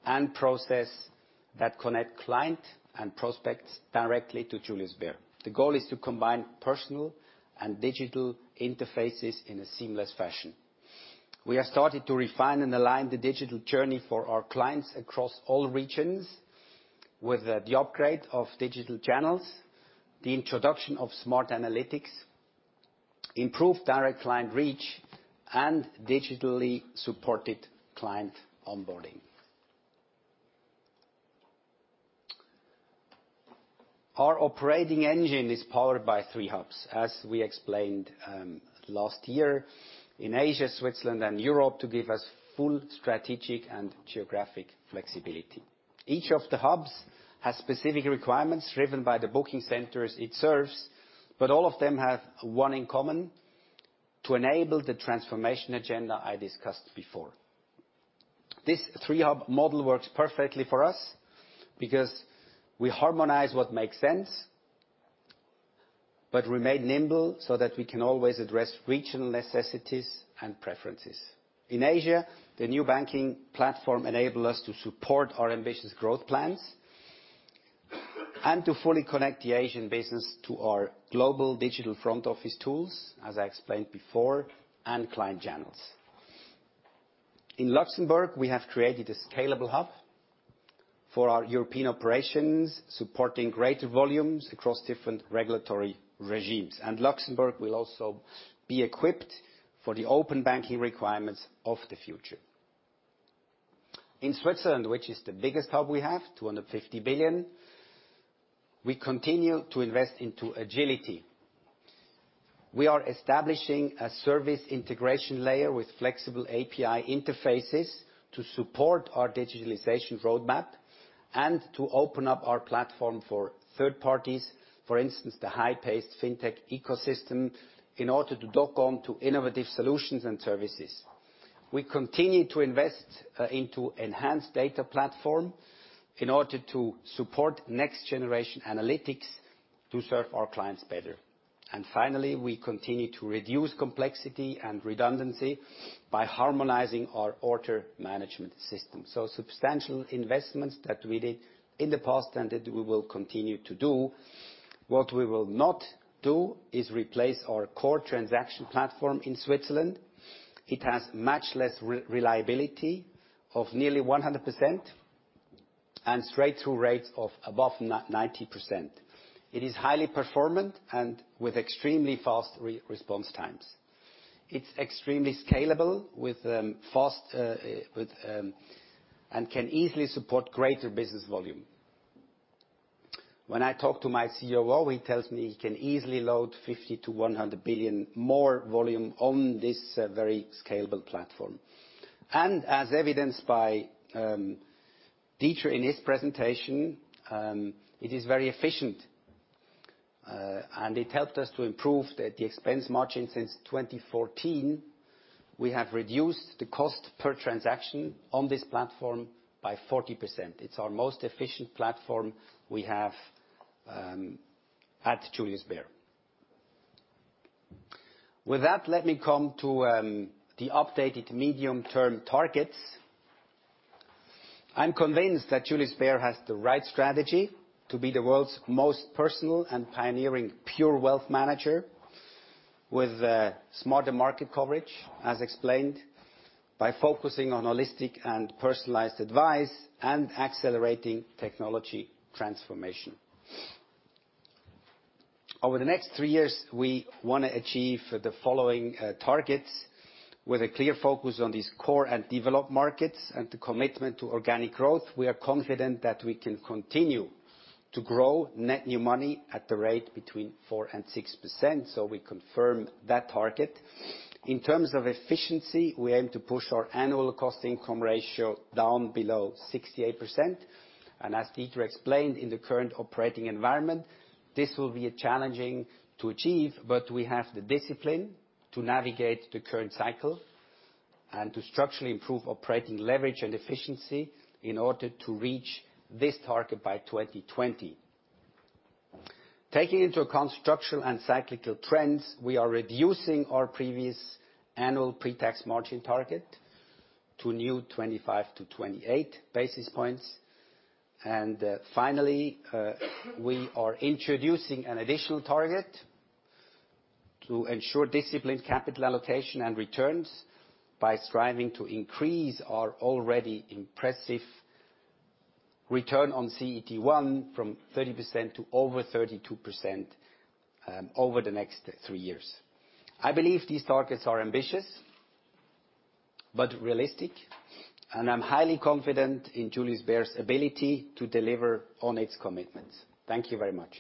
S1: and process that connect client and prospects directly to Julius Bär. The goal is to combine personal and digital interfaces in a seamless fashion. We have started to refine and align the digital journey for our clients across all regions with the upgrade of digital channels, the introduction of smart analytics, improved direct client reach, and digitally supported client onboarding. Our operating engine is powered by three hubs, as we explained last year, in Asia, Switzerland, and Europe to give us full strategic and geographic flexibility. Each of the hubs has specific requirements driven by the booking centers it serves, but all of them have one in common, to enable the transformation agenda I discussed before. This three-hub model works perfectly for us because we harmonize what makes sense, but remain nimble so that we can always address regional necessities and preferences. In Asia, the new banking platform enable us to support our ambitious growth plans and to fully connect the Asian business to our global digital front office tools, as I explained before, and client channels. In Luxembourg, we have created a scalable hub for our European operations, supporting greater volumes across different regulatory regimes. Luxembourg will also be equipped for the open banking requirements of the future. In Switzerland, which is the biggest hub we have, 250 billion, we continue to invest into agility. We are establishing a service integration layer with flexible API interfaces to support our digitalization roadmap and to open up our platform for third parties. For instance, the high-paced fintech ecosystem, in order to dock on to innovative solutions and services. We continue to invest into enhanced data platform in order to support next generation analytics to serve our clients better. Finally, we continue to reduce complexity and redundancy by harmonizing our order management system. Substantial investments that we did in the past and that we will continue to do. What we will not do is replace our core transaction platform in Switzerland. It has much less reliability of nearly 100%. Straight-through rates of above 90%. It is highly performant and with extremely fast response times. It's extremely scalable and can easily support greater business volume. When I talk to my COO, he tells me he can easily load 50 billion-100 billion more volume on this very scalable platform. As evidenced by Dieter in his presentation, it is very efficient. It helped us to improve the expense margin since 2014. We have reduced the cost per transaction on this platform by 40%. It's our most efficient platform we have at Julius Bär. Let me come to the updated medium-term targets. I'm convinced that Julius Bär has the right strategy to be the world's most personal and pioneering pure wealth manager with smarter market coverage, as explained, by focusing on holistic and personalized advice, and accelerating technology transformation. Over the next three years, we want to achieve the following targets. With a clear focus on these core and developed markets and the commitment to organic growth, we are confident that we can continue to grow net new money at the rate between 4% and 6%, we confirm that target. In terms of efficiency, we aim to push our annual cost income ratio down below 68%. As Dieter explained, in the current operating environment, this will be challenging to achieve, but we have the discipline to navigate the current cycle and to structurally improve operating leverage and efficiency in order to reach this target by 2020. Taking into account structural and cyclical trends, we are reducing our previous annual pre-tax margin target to a new 25-28 basis points. Finally, we are introducing an additional target to ensure disciplined capital allocation and returns by striving to increase our already impressive return on CET1 from 30% to over 32% over the next three years. I believe these targets are ambitious, but realistic, and I'm highly confident in Julius Bär's ability to deliver on its commitments. Thank you very much.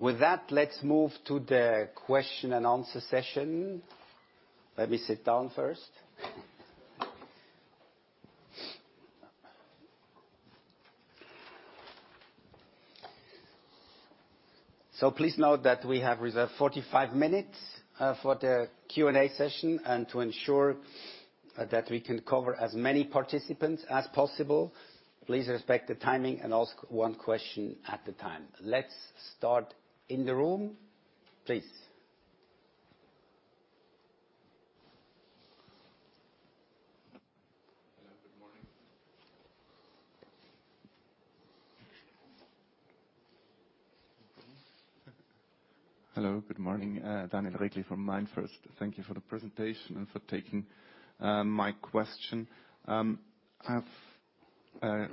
S1: Let's move to the question and answer session. Let me sit down first. Please note that we have reserved 45 minutes for the Q&A session. To ensure that we can cover as many participants as possible, please respect the timing and ask one question at a time. Let's start in the room, please.
S3: Hello. Good morning. Daniel Regli from MainFirst. Thank you for the presentation and for taking my question. I have a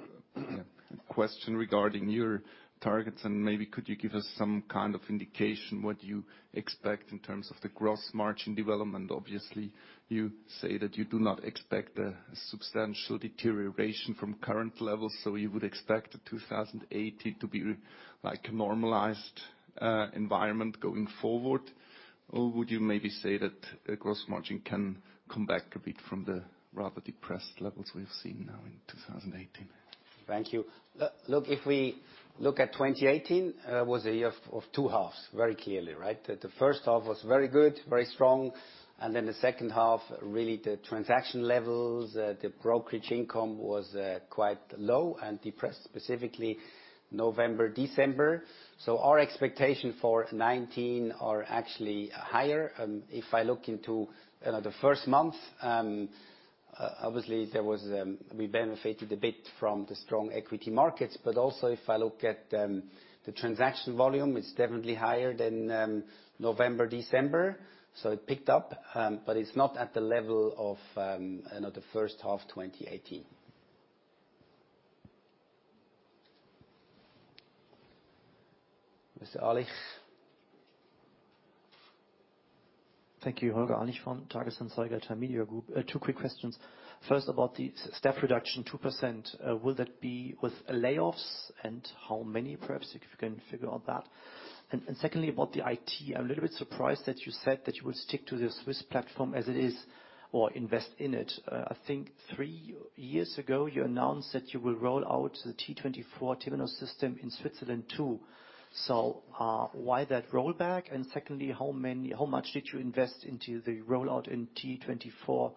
S3: question regarding your targets, maybe could you give us some kind of indication what you expect in terms of the gross margin development? Obviously, you say that you do not expect a substantial deterioration from current levels, you would expect 2018 to be like a normalized environment going forward. Would you maybe say that gross margin can come back a bit from the rather depressed levels we've seen now in 2018?
S1: Thank you. If we look at 2018, it was a year of two halves, very clearly, right? The first half was very good, very strong. The second half, really the transaction levels, the brokerage income was quite low and depressed, specifically November, December. Our expectation for 2019 are actually higher. If I look into the first month, obviously, we benefited a bit from the strong equity markets. Also, if I look at the transaction volume, it's definitely higher than November, December. It picked up, but it's not at the level of the first half 2018. Mr. Alich.
S4: Thank you. Holger Alich from Handelsblatt Media Group. Two quick questions. First, about the staff reduction, 2%. Will that be with layoffs, and how many, perhaps, if you can figure out that? Secondly, about the IT, I'm a little bit surprised that you said that you would stick to the Swiss platform as it is or invest in it. I think three years ago, you announced that you will roll out the T24 Temenos system in Switzerland, too. Why that rollback? Secondly, how much did you invest into the rollout in T24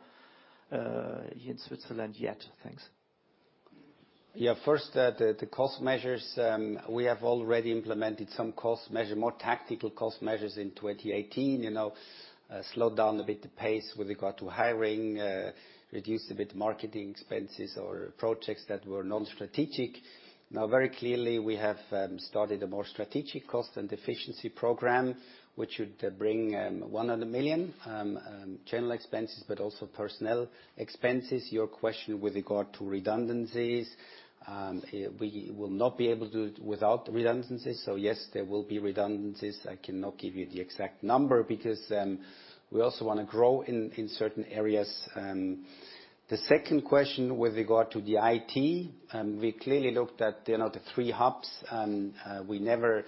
S4: in Switzerland yet? Thanks.
S1: First, the cost measures. We have already implemented some more tactical cost measures in 2018. Slowed down a bit the pace with regard to hiring, reduced a bit marketing expenses or projects that were non-strategic. Very clearly, we have started a more strategic cost and efficiency program, which would bring 100 million-General expenses, but also personnel expenses. Your question with regard to redundancies, we will not be able to do it without redundancies. Yes, there will be redundancies. I cannot give you the exact number because we also want to grow in certain areas. The second question with regard to the IT, we clearly looked at the three hubs, and we never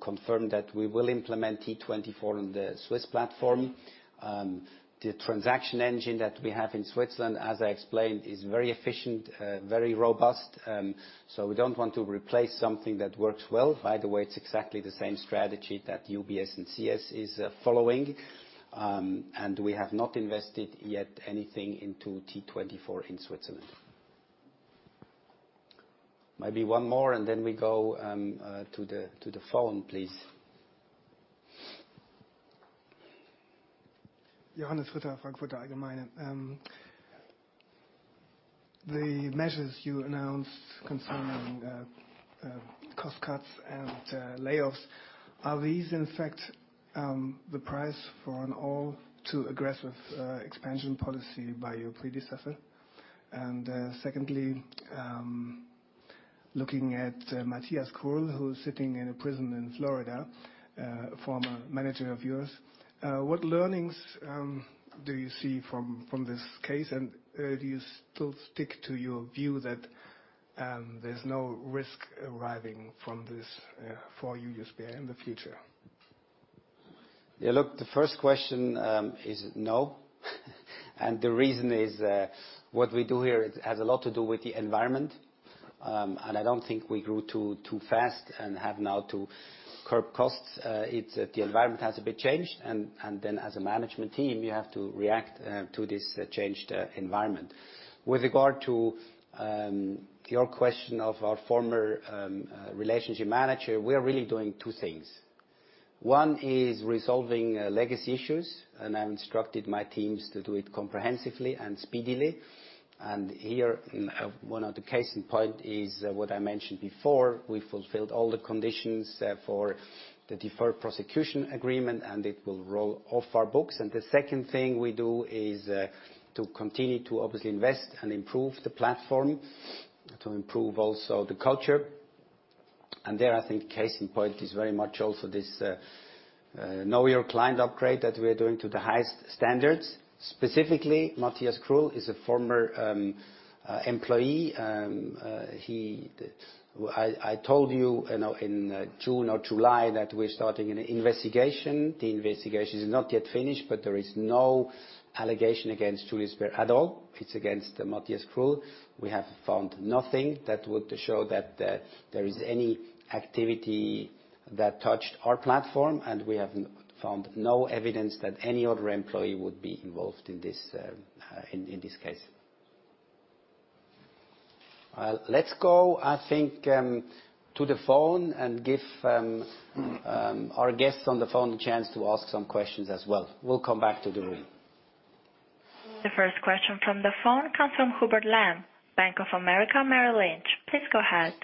S1: confirmed that we will implement T24 on the Swiss platform. The transaction engine that we have in Switzerland, as I explained, is very efficient, very robust. We don't want to replace something that works well. By the way, it's exactly the same strategy that UBS and CS is following. We have not invested yet anything into T24 in Switzerland. Maybe one more, and then we go to the phone, please.
S5: Johannes Ritter, Frankfurter Allgemeine. The measures you announced concerning cost cuts and layoffs, are these in fact the price for an all too aggressive expansion policy by your predecessor? Secondly, looking at Matthias Krull, who's sitting in a prison in Florida, former manager of yours. What learnings do you see from this case, and do you still stick to your view that there's no risk arriving from this for you, Julius Bär, in the future?
S1: Yeah, look, the first question is no. The reason is, what we do here, it has a lot to do with the environment. I don't think we grew too fast and have now to curb costs. It's that the environment has a bit changed, then as a management team, you have to react to this changed environment. With regard to your question of our former relationship manager, we are really doing two things. One is resolving legacy issues, and I instructed my teams to do it comprehensively and speedily. Here, one of the case in point is what I mentioned before, we fulfilled all the conditions for the deferred prosecution agreement, and it will roll off our books. The second thing we do is to continue to obviously invest and improve the platform, to improve also the culture. There, I think case in point is very much also this Know Your Client upgrade that we are doing to the highest standards. Specifically, Matthias Krull is a former employee. I told you in June or July that we're starting an investigation. The investigation is not yet finished, but there is no allegation against Julius Bär at all. It's against Matthias Krull. We have found nothing that would show that there is any activity that touched our platform, and we have found no evidence that any other employee would be involved in this case. Let's go, I think, to the phone and give our guests on the phone the chance to ask some questions as well. We'll come back to the room.
S6: The first question from the phone comes from Hubert Lam, Bank of America Merrill Lynch. Please go ahead.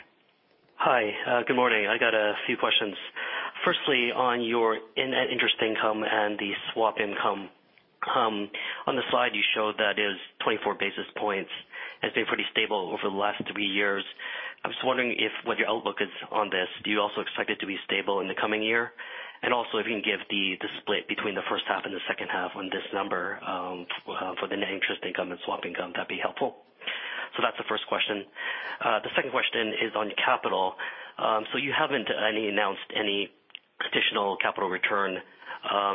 S7: Hi. Good morning. I got a few questions. Firstly, on your net interest income and the swap income. On the slide you showed that is 24 basis points, has been pretty stable over the last three years. I'm just wondering what your outlook is on this. Do you also expect it to be stable in the coming year? Also, if you can give the split between the first half and the second half on this number for the net interest income and swap income, that'd be helpful. That's the first question. The second question is on capital. You haven't announced any additional capital return,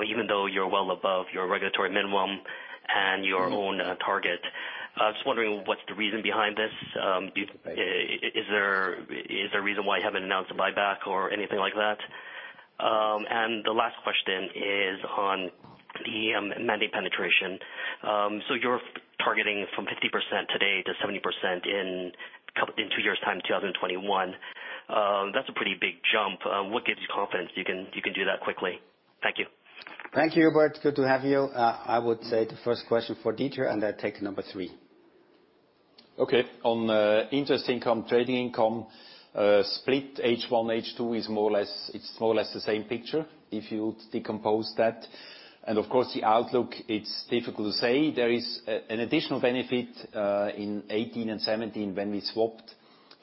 S7: even though you're well above your regulatory minimum and your own target. I was just wondering what's the reason behind this. Is there a reason why you haven't announced a buyback or anything like that? The last question is on the mandate penetration. You're targeting from 50% today to 70% in two years' time, 2021. That's a pretty big jump. What gives you confidence you can do that quickly? Thank you.
S1: Thank you, Hubert. Good to have you. I would say the first question for Dieter, then take number three.
S2: Okay. On interest income, trading income, split H1, H2, it's more or less the same picture if you decompose that. Of course, the outlook, it's difficult to say. There is an additional benefit in 2018 and 2017 when we swapped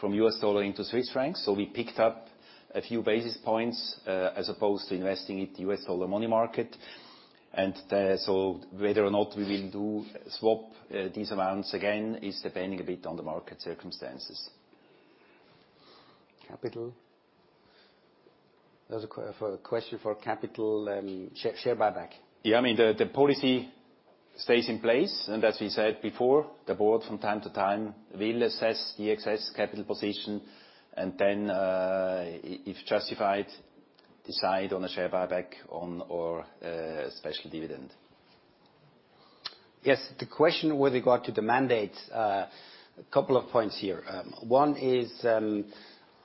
S2: from U.S. dollar into Swiss francs. We picked up a few basis points, as opposed to investing it U.S. dollar money market. Whether or not we will swap these amounts again is depending a bit on the market circumstances.
S1: Capital. There was a question for capital share buyback.
S2: Yeah. The policy stays in place. As we said before, the board from time to time will assess the excess capital position, and then, if justified, decide on a share buyback or a special dividend.
S1: Yes. The question with regard to the mandate, a couple of points here. One is,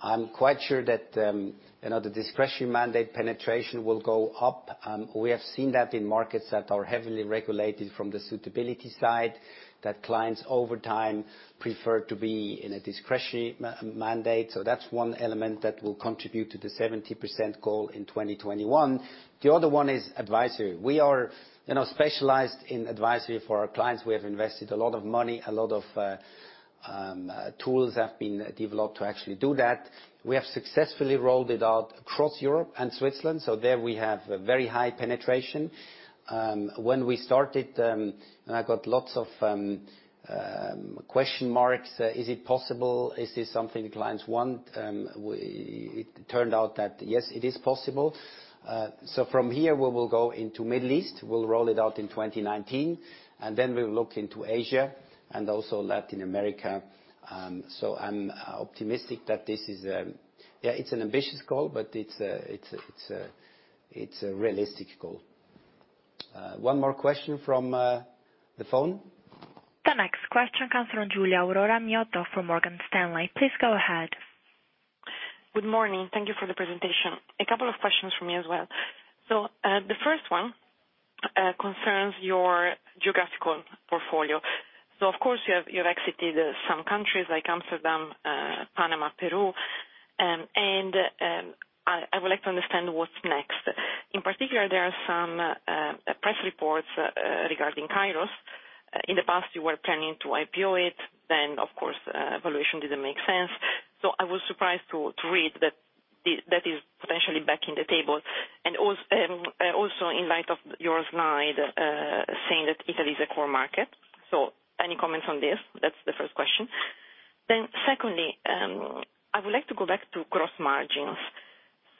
S1: I'm quite sure that the discretionary mandate penetration will go up. We have seen that in markets that are heavily regulated from the suitability side, that clients over time prefer to be in a discretionary mandate. That's one element that will contribute to the 70% goal in 2021. The other one is advisory. We are specialized in advisory for our clients. We have invested a lot of money, a lot of tools have been developed to actually do that. We have successfully rolled it out across Europe and Switzerland. There we have a very high penetration. When we started, and I got lots of question marks, is it possible? Is this something clients want? It turned out that yes, it is possible. From here, we will go into Middle East. We'll roll it out in 2019, and then we'll look into Asia and also Latin America. I'm optimistic that it's an ambitious goal, but it's a realistic goal. One more question from the phone.
S6: The next question comes from Giulia Aurora Miotto from Morgan Stanley. Please go ahead.
S8: Good morning. Thank you for the presentation. A couple of questions from me as well. The first one concerns your geographical portfolio. Of course, you have exited some countries like Amsterdam, Panama, Peru, I would like to understand what's next. In particular, there are some press reports regarding Kairos. In the past, you were planning to IPO it, then of course, valuation didn't make sense. I was surprised to read that that is potentially back in the table. Also in light of your slide, saying that Italy is a core market. Any comments on this? That's the first question. Secondly, I would like to go back to gross margins.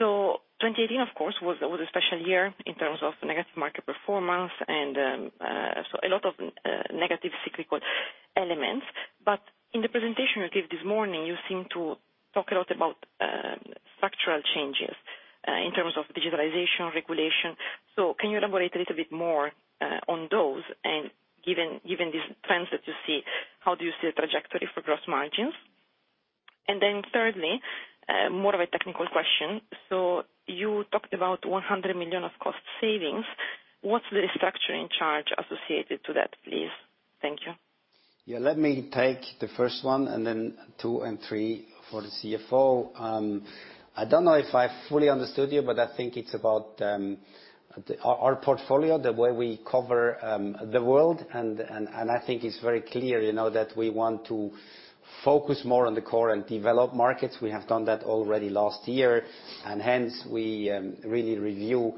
S8: 2018, of course, was a special year in terms of negative market performance a lot of negative cyclical elements. In the presentation you gave this morning, you seem to talk a lot about structural changes in terms of digitalization, regulation. Can you elaborate a little bit more on those? Given these trends that you see, how do you see the trajectory for gross margins? Thirdly, more of a technical question. You talked about 100 million of cost savings. What's the restructuring charge associated to that, please? Thank you.
S1: Let me take the first one, two and three for the CFO. I don't know if I fully understood you, I think it's about our portfolio, the way we cover the world, I think it's very clear that we want to focus more on the core and developed markets. We have done that already last year, we really review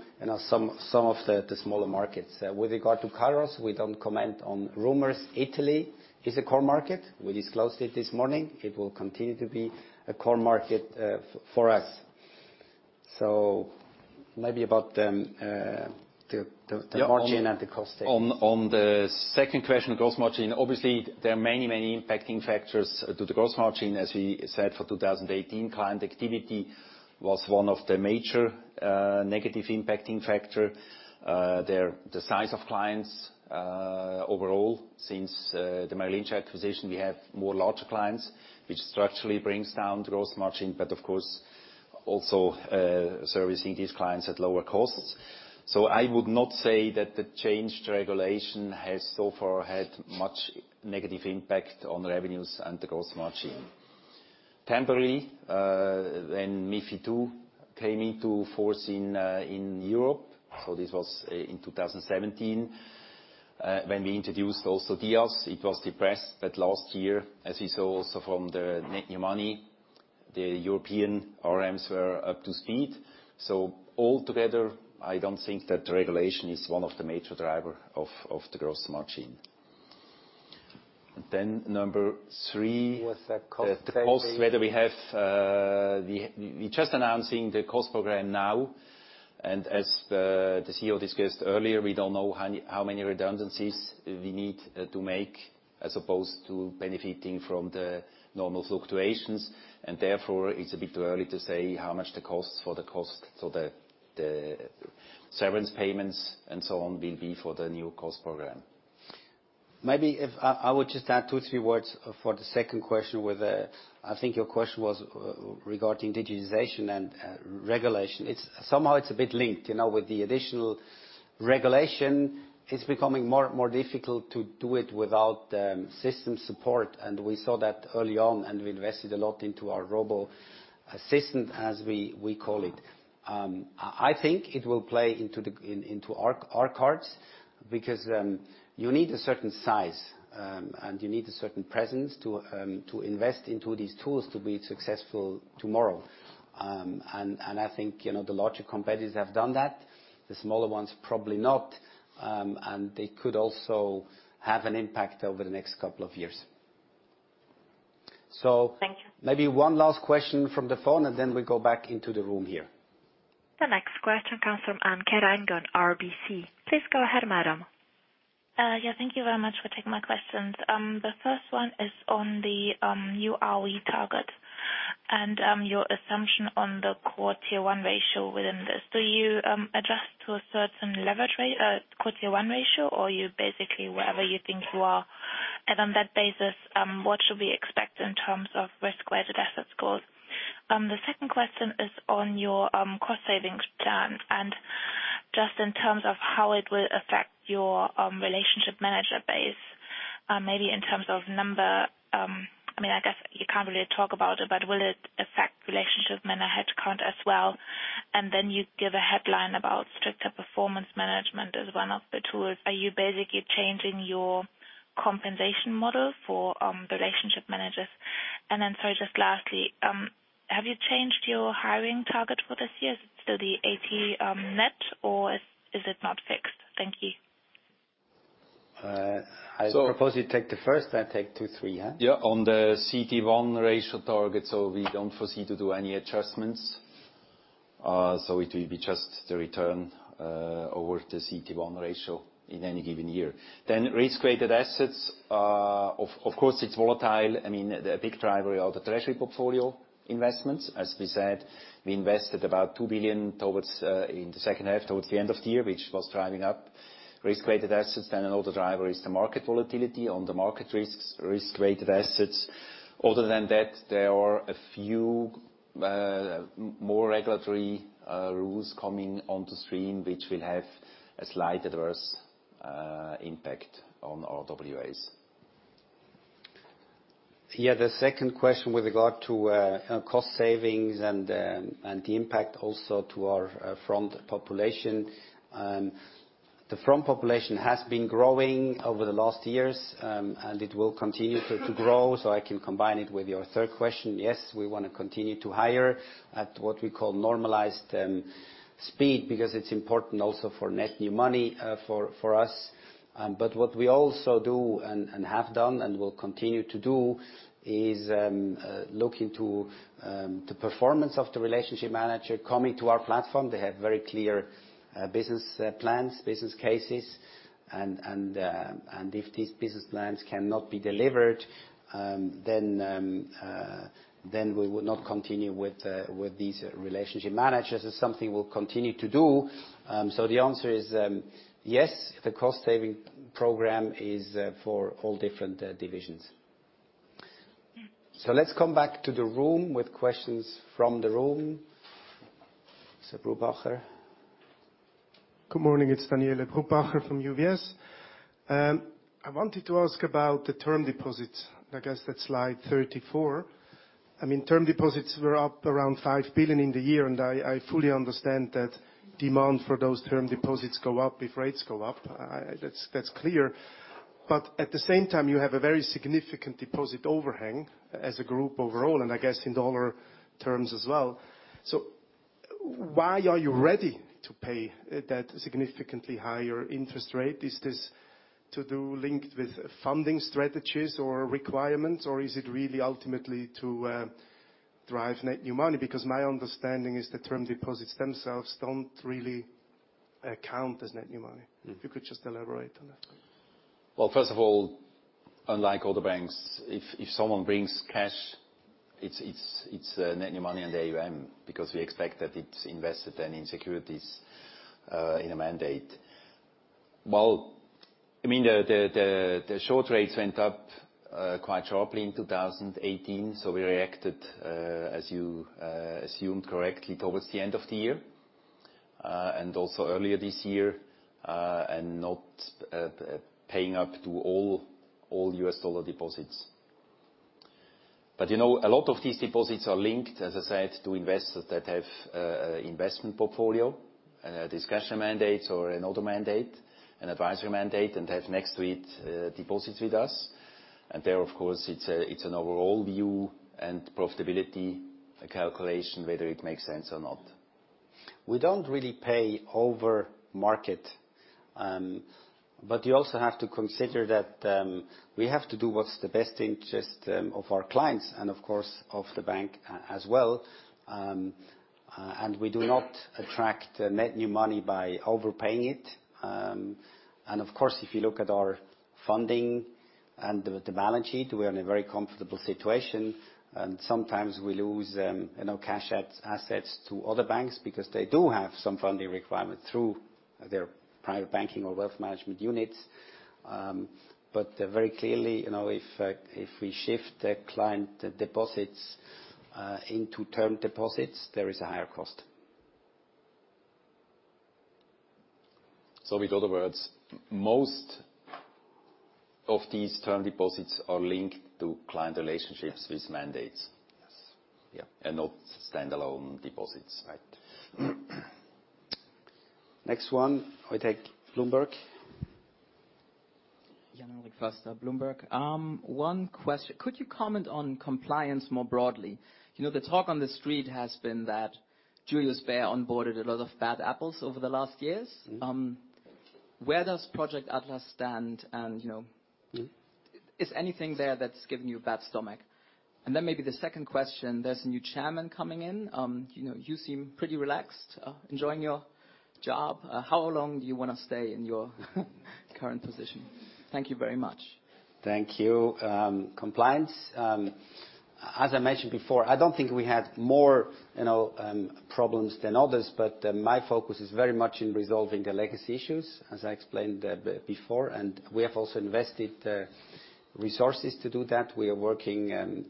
S1: some of the smaller markets. With regard to Kairos, we don't comment on rumors. Italy is a core market. We disclosed it this morning. It will continue to be a core market for us. Maybe about the margin and the cost.
S2: On the second question, gross margin, obviously, there are many impacting factors to the gross margin. As we said, for 2018, client activity was one of the major negative impacting factor. The size of clients overall. Since the Merrill Lynch acquisition, we have more larger clients, which structurally brings down gross margin, but of course, also servicing these clients at lower costs. I would not say that the changed regulation has so far had much negative impact on revenues and the gross margin. Temporarily, when MiFID II came into force in Europe, so this was in 2017, when we introduced also DiAS, it was depressed, but last year, as we saw also from the net new money, the European RMs were up to speed. Altogether, I don't think that regulation is one of the major driver of the gross margin. Number three-
S1: Was the cost saving.
S2: We're just announcing the cost program now, and as the CEO discussed earlier, we don't know how many redundancies we need to make as opposed to benefiting from the normal fluctuations, and therefore, it's a bit too early to say how much the costs for the cost, so the severance payments and so on will be for the new cost program.
S1: Maybe if I would just add two, three words for the second question, I think your question was regarding digitization and regulation. Somehow it's a bit linked. With the additional regulation, it's becoming more difficult to do it without system support, and we saw that early on, and we invested a lot into our robo-assistant, as we call it. I think it will play into our cards because you need a certain size, and you need a certain presence to invest into these tools to be successful tomorrow. I think, the larger competitors have done that. The smaller ones probably not. They could also have an impact over the next couple of years. -
S8: Thank you.
S1: Maybe one last question from the phone, then we go back into the room here.
S6: The next question comes from Anke Reingen, RBC. Please go ahead, madam.
S9: Yeah, thank you very much for taking my questions. The first one is on the new ROE target and your assumption on the core Tier 1 ratio within this. Do you adjust to a certain leverage rate, core Tier 1 ratio, or you basically wherever you think you are. On that basis, what should we expect in terms of risk-weighted asset scores? The second question is on your cost savings plan and just in terms of how it will affect your relationship manager base, maybe in terms of number. I guess you can't really talk about it, but will it affect relationship manager headcount as well? You give a headline about stricter performance management as one of the tools. Are you basically changing your compensation model for relationship managers? Sorry, just lastly, have you changed your hiring target for this year? Is it still the 80 net or is it not fixed? Thank you.
S1: I propose you take the first, I take two, three, huh?
S2: Yeah. On the CET1 ratio target, we don't foresee to do any adjustments. It will be just the return, over the CET1 ratio in any given year. Risk-Weighted Assets, of course it's volatile. A big driver are the treasury portfolio investments. As we said, we invested about 2 billion in the second half towards the end of the year, which was driving up Risk-Weighted Assets. Another driver is the market volatility on the market risks, Risk-Weighted Assets. Other than that, there are a few more regulatory rules coming onto stream, which will have a slight adverse impact on our OA's.
S1: Yeah, the second question with regard to cost savings and the impact also to our front population. The front population has been growing over the last years, and it will continue to grow, I can combine it with your third question. Yes, we want to continue to hire at what we call normalized speed, because it's important also for net new money for us. What we also do and have done and will continue to do, is look into the performance of the Relationship Manager coming to our platform. They have very clear business plans, business cases and if these business plans cannot be delivered, then we will not continue with these Relationship Managers. It's something we'll continue to do. The answer is yes, the cost-saving program is for all different divisions. Let's come back to the room with questions from the room. Mr. Brupbacher.
S10: Good morning, it's Daniele Brupbacher from UBS. I wanted to ask about the term deposits. I guess that's slide 34. Term deposits were up around $5 billion in the year. I fully understand that demand for those term deposits go up if rates go up. That's clear. At the same time, you have a very significant deposit overhang as a group overall, and I guess in dollar terms as well. Why are you ready to pay that significantly higher interest rate? Is this to do linked with funding strategies or requirements, or is it really ultimately to drive net new money? Because my understanding is the term deposits themselves don't really count as net new money. If you could just elaborate on that.
S2: Well, first of all, unlike other banks, if someone brings cash, it's net new money and AUM, because we expect that it's invested then in securities, in a mandate. The short rates went up quite sharply in 2018. We reacted, as you assumed correctly, towards the end of the year, and also earlier this year, and not paying up to all U.S. dollar deposits. A lot of these deposits are linked, as I said, to investors that have investment portfolio, discretionary mandates or another mandate, an advisory mandate, and have next to it, deposits with us. There of course, it's an overall view and profitability calculation whether it makes sense or not.
S1: We don't really pay over market. You also have to consider that we have to do what's the best interest of our clients, and of course of the bank as well. We do not attract net new money by overpaying it. Of course, if you look at our funding and the balance sheet, we are in a very comfortable situation, and sometimes we lose cash assets to other banks because they do have some funding requirement through their private banking or wealth management units. Very clearly, if we shift the client deposits into term deposits, there is a higher cost.
S2: In other words, most of these term deposits are linked to client relationships with mandates.
S1: Yes.
S2: Yeah. Not standalone deposits.
S1: Right. Next one. We take Bloomberg.
S11: Jan-Henrik Förster, Bloomberg. One question. Could you comment on compliance more broadly? The talk on the street has been that Julius Bär onboarded a lot of bad apples over the last years. Where does Project Atlas stand, and is anything there that's giving you a bad stomach? Then maybe the second question, there's a new chairman coming in. You seem pretty relaxed, enjoying your job. How long do you want to stay in your current position? Thank you very much.
S1: Thank you. Compliance. As I mentioned before, I don't think we had more problems than others, but my focus is very much in resolving the legacy issues, as I explained before. We have also invested resources to do that. We are working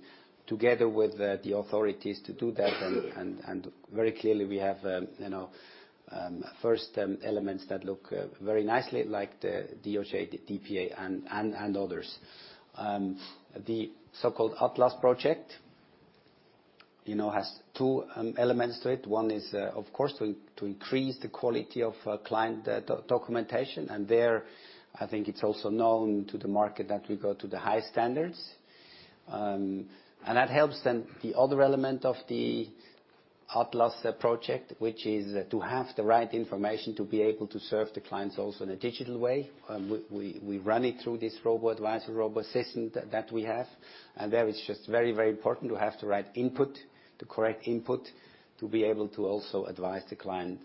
S1: together with the authorities to do that. Very clearly, we have first elements that look very nicely like the DOJ, the DPA, and others. The so-called Atlas Project has two elements to it. One is, of course, to increase the quality of client documentation. There, I think it's also known to the market that we go to the high standards. That helps then the other element of the Atlas Project, which is to have the right information to be able to serve the clients also in a digital way. We run it through this robo last system that we have, and there it's just very important to have the right input, the correct input, to be able to also advise the client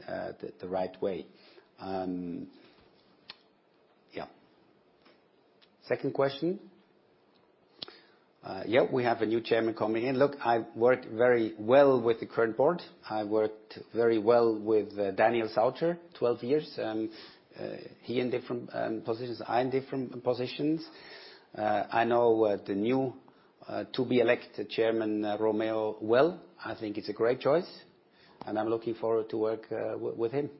S1: the right way. Second question. We have a new chairman coming in. Look, I've worked very well with the current board. I worked very well with Daniel Sauter, 12 years. He in different positions, I in different positions. I know the new to-be-elected chairman, Romeo, well. I think it's a great choice, and I'm looking forward to work with him.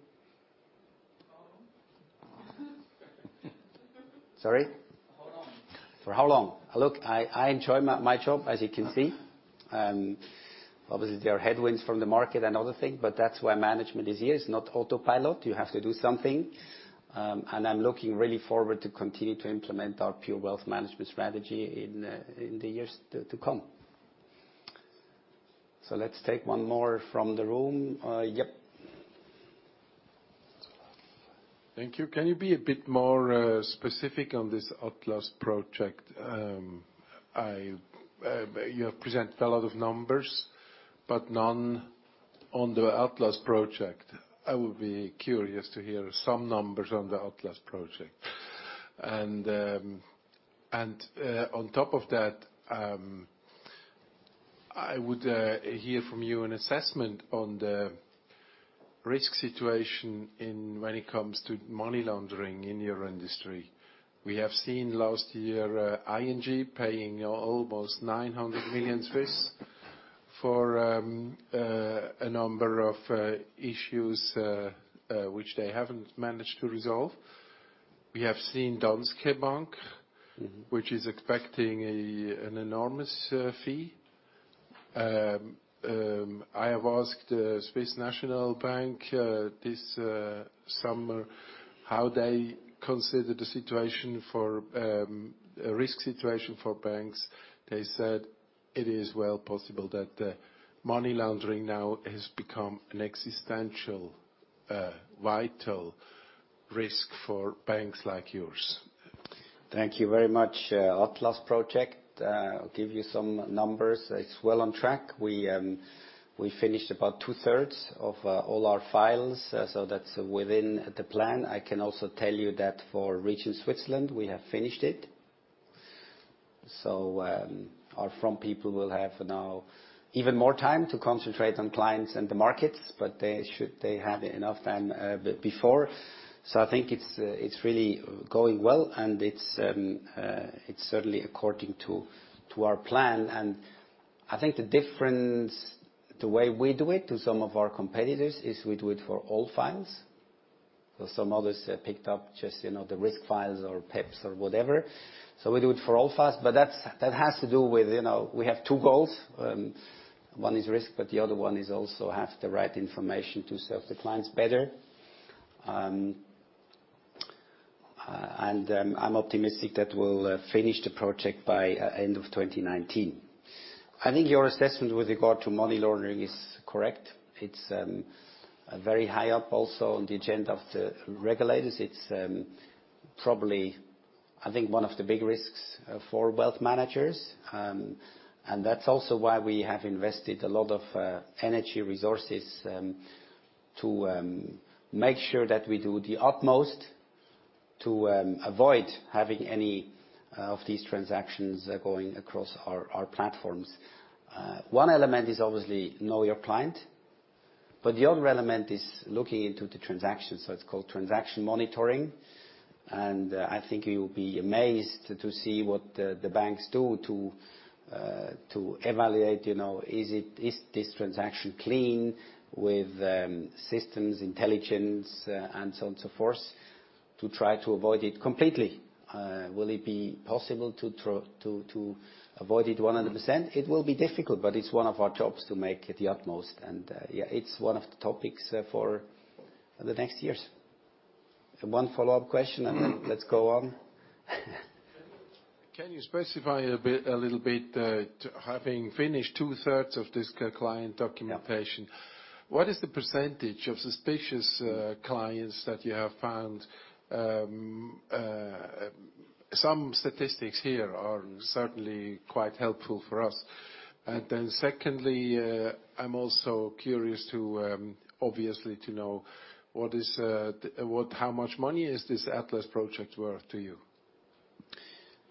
S4: How long?
S1: Sorry?
S4: How long?
S1: For how long? Look, I enjoy my job, as you can see. Obviously, there are headwinds from the market and other things, but that's why management is here. It's not autopilot. You have to do something. I'm looking really forward to continue to implement our pure wealth management strategy in the years to come. Let's take one more from the room. Yep.
S12: Thank you. Can you be a bit more specific on this Project Atlas? You have presented a lot of numbers, but none on the Project Atlas. I would be curious to hear some numbers on the Project Atlas. On top of that, I would hear from you an assessment on the risk situation when it comes to money laundering in your industry. We have seen last year ING paying almost 900 million for a number of issues, which they haven't managed to resolve. We have seen Danske Bank, which is expecting an enormous fee. I have asked Swiss National Bank this summer how they consider the risk situation for banks. They said it is well possible that money laundering now has become an existential, vital risk for banks like yours.
S1: Thank you very much. Project Atlas, I'll give you some numbers. It's well on track. We finished about two-thirds of all our files, that's within the plan. I can also tell you that for Region Switzerland, we have finished it. Our front people will have now even more time to concentrate on clients and the markets, but they had enough time before. I think it's really going well, and it's certainly according to our plan. I think the difference, the way we do it to some of our competitors, is we do it for all files. Some others picked up just the risk files or PEPs or whatever. We do it for all files, but that has to do with, we have two goals. One is risk, but the other one is also have the right information to serve the clients better. I'm optimistic that we'll finish the project by end of 2019. I think your assessment with regard to money laundering is correct. It's very high up also on the agenda of the regulators. It's probably, I think, one of the big risks for wealth managers. That's also why we have invested a lot of energy resources to make sure that we do the utmost to avoid having any of these transactions going across our platforms. One element is obviously know your client, but the other element is looking into the transaction, so it's called transaction monitoring. I think you will be amazed to see what the banks do to evaluate, is this transaction clean with systems, intelligence, and so on, so forth, to try to avoid it completely. Will it be possible to avoid it 100%? It will be difficult, but it's one of our jobs to make it the utmost. Yeah, it's one of the topics for the next years. One follow-up question, let's go on.
S12: Can you specify a little bit, having finished two-thirds of this client documentation?
S1: Yeah
S12: What is the percentage of suspicious clients that you have found? Some statistics here are certainly quite helpful for us. Secondly, I'm also curious obviously to know, how much money is this Atlas Project worth to you?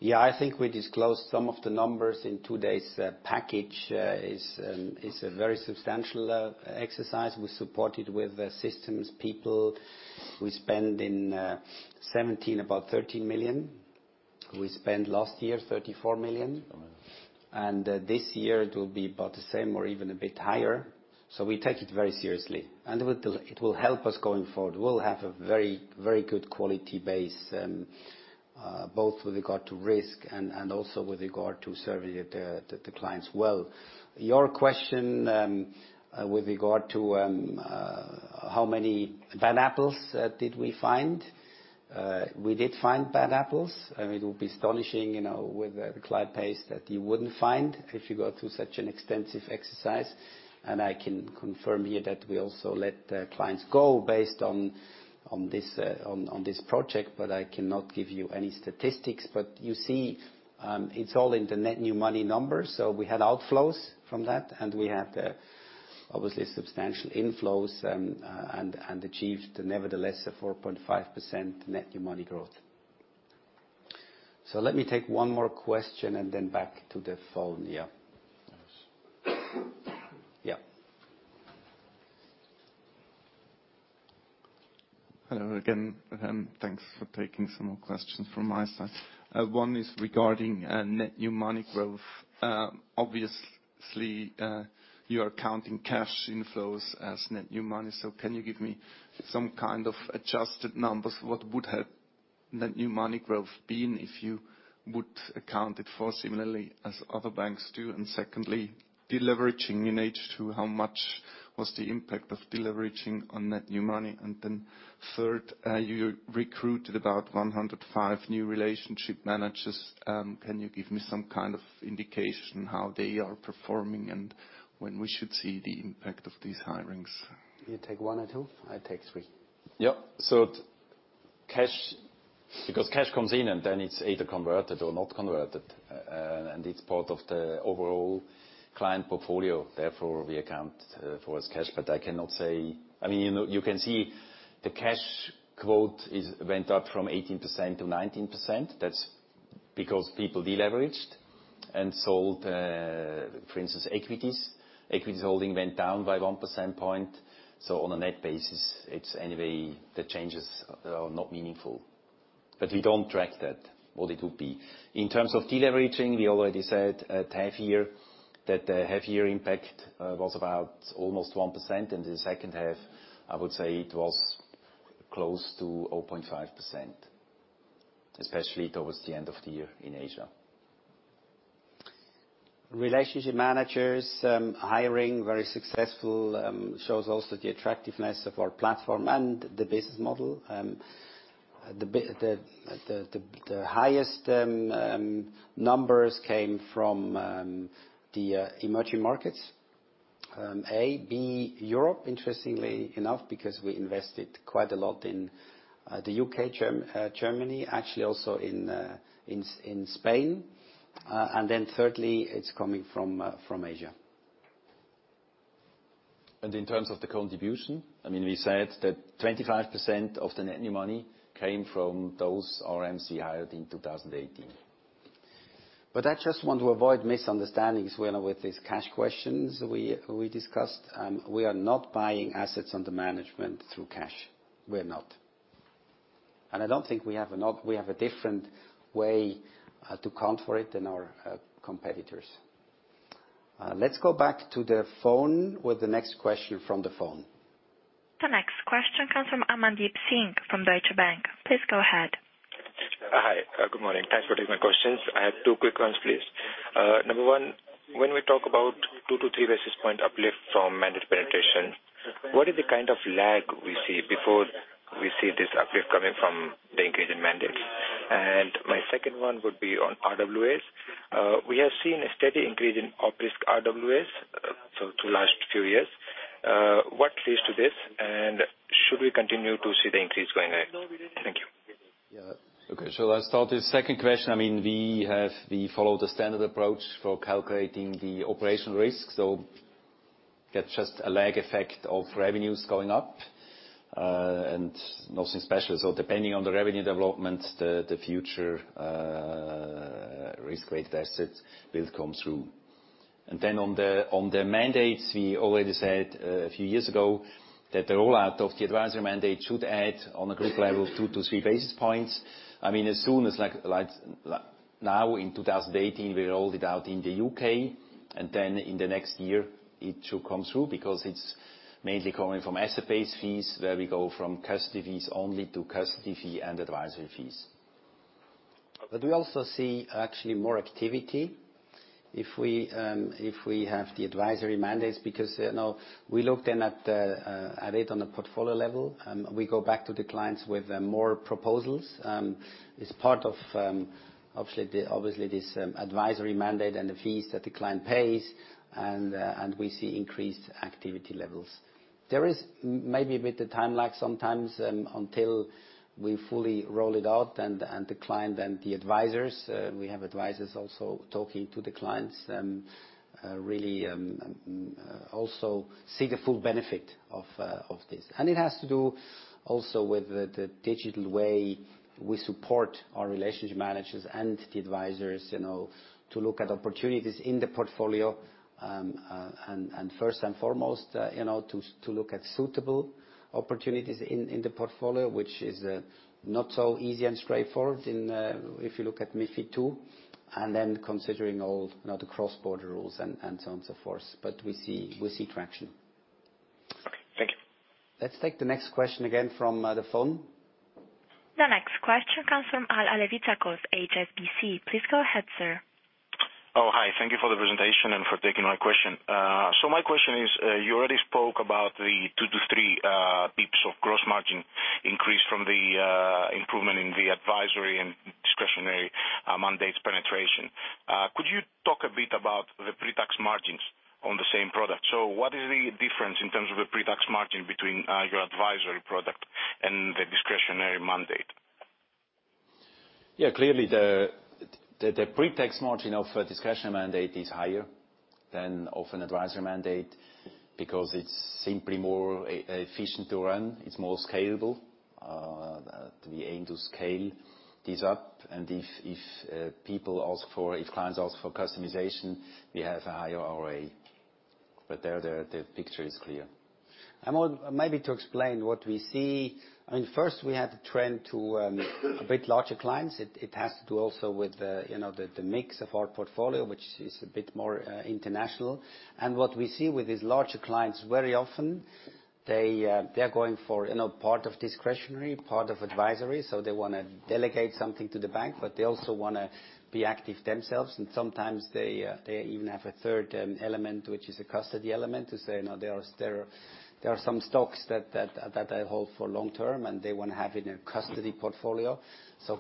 S1: I think we disclosed some of the numbers in today's package. It's a very substantial exercise. We support it with systems, people. We spent in 2017 about 13 million. We spent last year, 34 million. This year it will be about the same or even a bit higher. We take it very seriously. It will help us going forward. We'll have a very good quality base, both with regard to risk and also with regard to serving the clients well. Your question with regard to how many bad apples did we find? We did find bad apples. It would be astonishing, with a client base that you wouldn't find if you go through such an extensive exercise. I can confirm here that we also let clients go based on this project, but I cannot give you any statistics. You see, it's all in the net new money numbers. We had outflows from that, and we had obviously substantial inflows and achieved nevertheless a 4.5% net new money growth. Let me take one more question and then back to the phone.
S3: Hello again, and thanks for taking some more questions from my side. One is regarding net new money growth. Obviously, you are counting cash inflows as net new money. Can you give me some kind of adjusted numbers, what would have net new money growth been if you would account it for similarly as other banks do? Secondly, deleveraging in H2, how much was the impact of deleveraging on net new money? Third, you recruited about 105 new relationship managers. Can you give me some kind of indication how they are performing and when we should see the impact of these hirings?
S1: You take one or two? I take three.
S2: Yeah. Because cash comes in and then it's either converted or not converted, and it's part of the overall client portfolio. Therefore, we account for as cash, but I cannot say you can see the cash quote went up from 18% to 19%. That's because people deleveraged and sold, for instance, equities. Equities holding went down by 1%. On a net basis, it's anyway, the changes are not meaningful. We don't track that, what it would be. In terms of deleveraging, we already said at half-year that the half-year impact was about almost 1%, and the second half, I would say it was close to 0.5%, especially towards the end of the year in Asia.
S1: Relationship Managers, hiring, very successful. Shows also the attractiveness of our platform and the business model. The highest numbers came from the emerging markets, A. B, Europe, interestingly enough, because we invested quite a lot in the U.K., Germany. Actually also in Spain. Thirdly, it's coming from Asia.
S2: In terms of the contribution, we said that 25% of the net new money came from those RMs hired in 2018.
S1: I just want to avoid misunderstandings with these cash questions we discussed. We are not buying assets under management through cash. We're not. I don't think we have a different way to account for it than our competitors. Let's go back to the phone with the next question from the phone.
S6: The next question comes from Amandeep Singh from Deutsche Bank. Please go ahead.
S13: Hi. Good morning. Thanks for taking my questions. I have two quick ones, please. Number one, when we talk about 2-3 basis point uplift from mandate penetration, what is the kind of lag we see before we see this uplift coming from the increase in mandates? My second one would be on RWAs. We have seen a steady increase in op risk RWAs over the last few years. What leads to this, and should we continue to see the increase going ahead? Thank you.
S2: Let's start the second question. We follow the standard approach for calculating the operational risk. That's just a lag effect of revenues going up. Nothing special. Depending on the revenue development, the future Risk-Weighted Assets will come through. On the mandates, we already said a few years ago that the rollout of the advisory mandate should add, on a group level, 2-3 basis points. In 2018, we rolled it out in the U.K., in the next year, it should come through because it's mainly coming from asset-based fees, where we go from custody fees only to custody fee and advisory fees.
S1: We also see actually more activity if we have the advisory mandates because now we look then at it on a portfolio level. We go back to the clients with more proposals. It's part of, obviously, this advisory mandate and the fees that the client pays, and we see increased activity levels. There is maybe a bit of time lag sometimes until we fully roll it out, and the client and the advisors, we have advisors also talking to the clients, really also see the full benefit of this. It has to do also with the digital way we support our relationship managers and the advisors, to look at opportunities in the portfolio. First and foremost, to look at suitable opportunities in the portfolio, which is not so easy and straightforward if you look at MiFID II, then considering all the cross-border rules and so on, so forth. We see traction.
S13: Okay. Thank you.
S1: Let's take the next question again from the phone. The next question comes from Alevizakos, HSBC. Please go ahead, sir.
S14: Hi. Thank you for the presentation and for taking my question. My question is, you already spoke about the two to three pips of gross margin increase from the improvement in the advisory and discretionary mandates penetration. Could you talk a bit about the pre-tax margins on the same product? What is the difference in terms of the pre-tax margin between your advisory product and the discretionary mandate?
S1: Yeah, clearly the pre-tax margin of a discretionary mandate is higher than of an advisory mandate because it's simply more efficient to run. It's more scalable. We aim to scale this up, and if clients ask for customization, we have a higher array. There, the picture is clear. Maybe to explain what we see, I mean, first we had a trend to a bit larger clients. It has to do also with the mix of our portfolio, which is a bit more international. What we see with these larger clients, very often, they are going for part of discretionary, part of advisory. They want to delegate something to the bank, but they also want to be active themselves. Sometimes they even have a third element, which is a custody element, to say, "There are some stocks that I hold for long term," and they want to have it in a custody portfolio.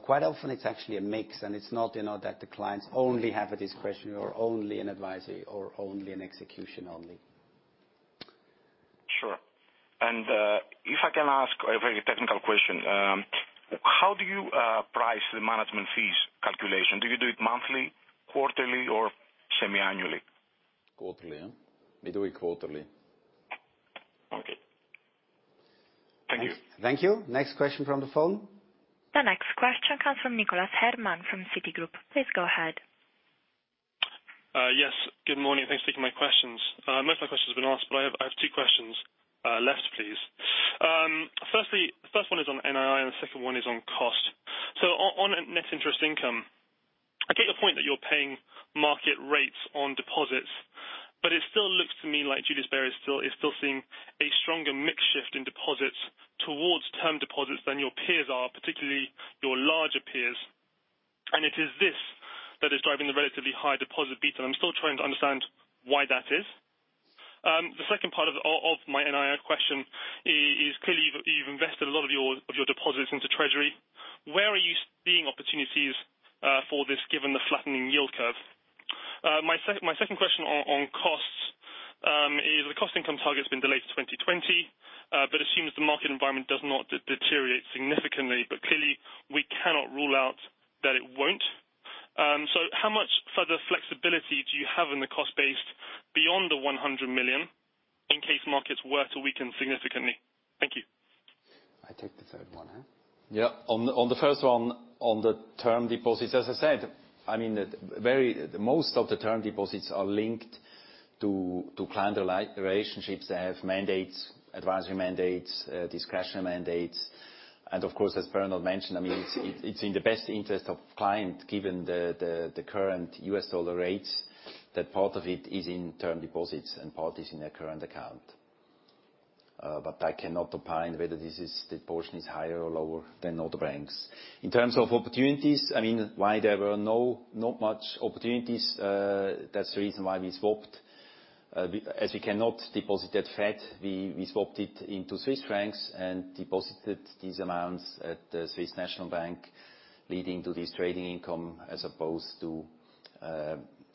S1: Quite often it's actually a mix and it's not that the clients only have a discretionary or only an advisory or only an execution only.
S14: Sure. If I can ask a very technical question. How do you price the management fees calculation? Do you do it monthly, quarterly, or semi-annually?
S1: Quarterly, huh? We do it quarterly.
S14: Okay. Thank you.
S1: Thank you. Next question from the phone.
S6: The next question comes from Nicholas Herman from Citigroup. Please go ahead.
S15: Yes. Good morning. Thanks for taking my questions. Most of my questions have been asked, but I have two questions left, please. Firstly, the first one is on NII and the second one is on cost. On net interest income, I get your point that you're paying market rates on deposits, but it still looks to me like Julius Bär is still seeing a stronger mix shift in deposits towards term deposits than your peers are, particularly your larger peers. It is this that is driving the relatively high deposit beta. I'm still trying to understand why that is. The second part of my NII question is, clearly you've invested a lot of your deposits into Treasury. Where are you seeing opportunities for this given the flattening yield curve? My second question on costs, is the cost income target's been delayed to 2020, assumes the market environment does not deteriorate significantly, clearly we cannot rule out that it won't. How much further flexibility do you have in the cost base beyond the 100 million in case markets were to weaken significantly? Thank you.
S1: I take the third one.
S2: On the first one, on the term deposits, as I said, most of the term deposits are linked to client relationships. They have mandates, advisory mandates, discretionary mandates. Of course, as Bernhard mentioned, I mean, it's in the best interest of client, given the current U.S. dollar rates, that part of it is in term deposits and part is in a current account.
S1: I cannot opine whether this portion is higher or lower than other banks. In terms of opportunities, I mean, why there were not much opportunities, that's the reason why we swapped. We cannot deposit at Fed, we swapped it into Swiss francs and deposited these amounts at the Swiss National Bank, leading to this trading income as opposed to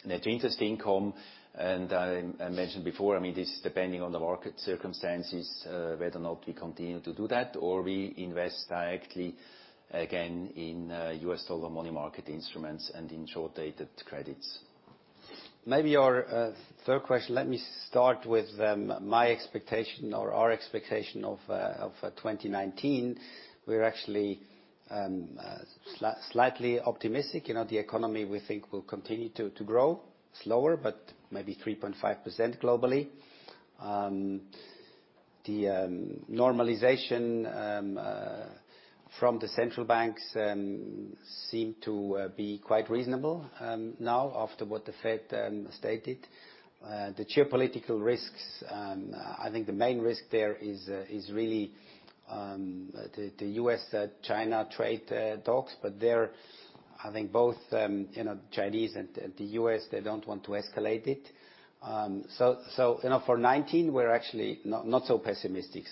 S1: net interest income. I mentioned before, this is depending on the market circumstances, whether or not we continue to do that or we invest directly again in U.S. dollar money market instruments and in short-dated credits. Maybe your third question, let me start with my expectation or our expectation of 2019. We're actually slightly optimistic. The economy, we think, will continue to grow, slower, but maybe 3.5% globally. The normalization from the central banks seem to be quite reasonable now after what the Fed stated. The geopolitical risks, I think the main risk there is really the U.S.-China trade talks, but there, I think both Chinese and the U.S., they don't want to escalate it. For 2019, we're actually not so pessimistic.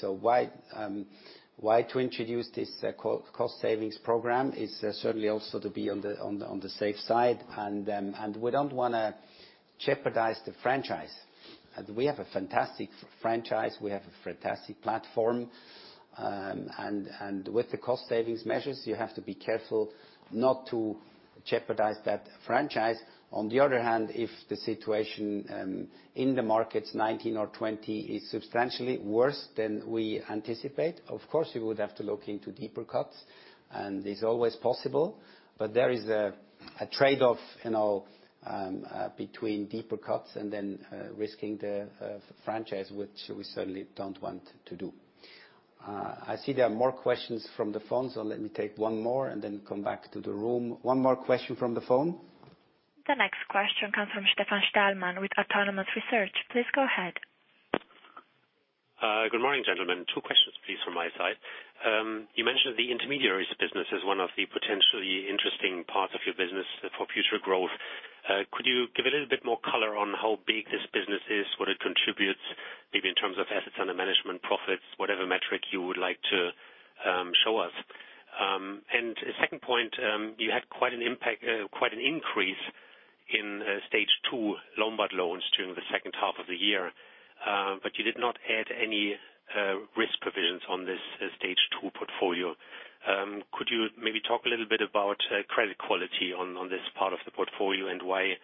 S1: Why to introduce this cost savings program is certainly also to be on the safe side, and we don't want to jeopardize the franchise. We have a fantastic franchise. We have a fantastic platform. With the cost savings measures, you have to be careful not to jeopardize that franchise. On the other hand, if the situation in the markets 2019 or 2020 is substantially worse than we anticipate, of course, we would have to look into deeper cuts, and it's always possible. There is a trade-off between deeper cuts and then risking the franchise, which we certainly don't want to do. I see there are more questions from the phone, let me take one more and then come back to the room. One more question from the phone.
S6: The next question comes from Stefan Stalmann with Autonomous Research. Please go ahead.
S16: Good morning, gentlemen. Two questions, please, from my side. You mentioned the intermediaries business is one of the potentially interesting parts of your business for future growth. Could you give a little bit more color on how big this business is, what it contributes, maybe in terms of assets under management, profits, whatever metric you would like to show us? A second point, you had quite an increase in stage 2 Lombard loans during the second half of the year, but you did not add any risk provisions on this stage 2 portfolio. Could you maybe talk a little bit about credit quality on this part of the portfolio, and why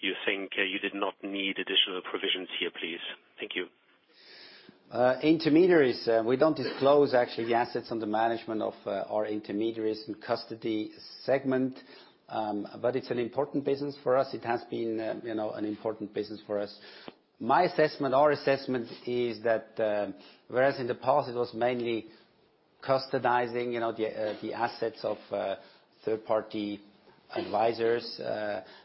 S16: you think you did not need additional provisions here, please? Thank you.
S1: Intermediaries. We don't disclose, actually, the assets under management of our intermediaries in custody segment. It's an important business for us. It has been an important business for us. Our assessment is that, whereas in the past it was mainly custodizing the assets of third-party advisors.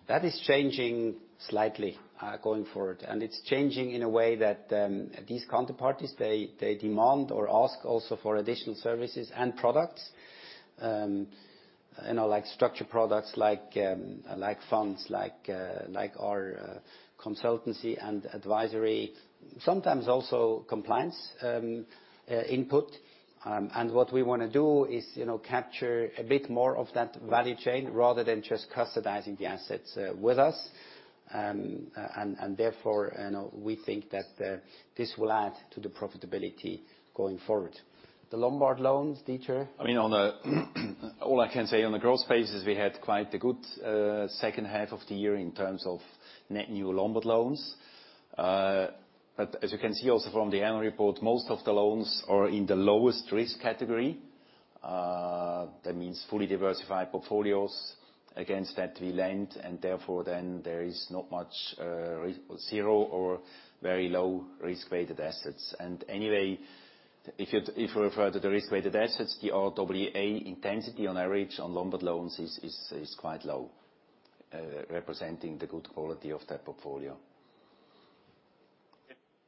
S1: That is changing slightly going forward. It's changing in a way that these counterparties, they demand or ask also for additional services and products, like structured products, like funds, like our consultancy and advisory, sometimes also compliance input. What we want to do is capture a bit more of that value chain rather than just custodizing the assets with us. Therefore, we think that this will add to the profitability going forward. The Lombard loans, Dieter?
S2: All I can say on the growth phase is we had quite a good second half of the year in terms of net new Lombard loans. As you can see also from the annual report, most of the loans are in the lowest risk category. That means fully diversified portfolios against that we lend, therefore, then, there is not much risk. Zero or very low risk-weighted assets. Anyway, if you refer to the risk-weighted assets, the RWA intensity on average on Lombard loans is quite low, representing the good quality of that portfolio.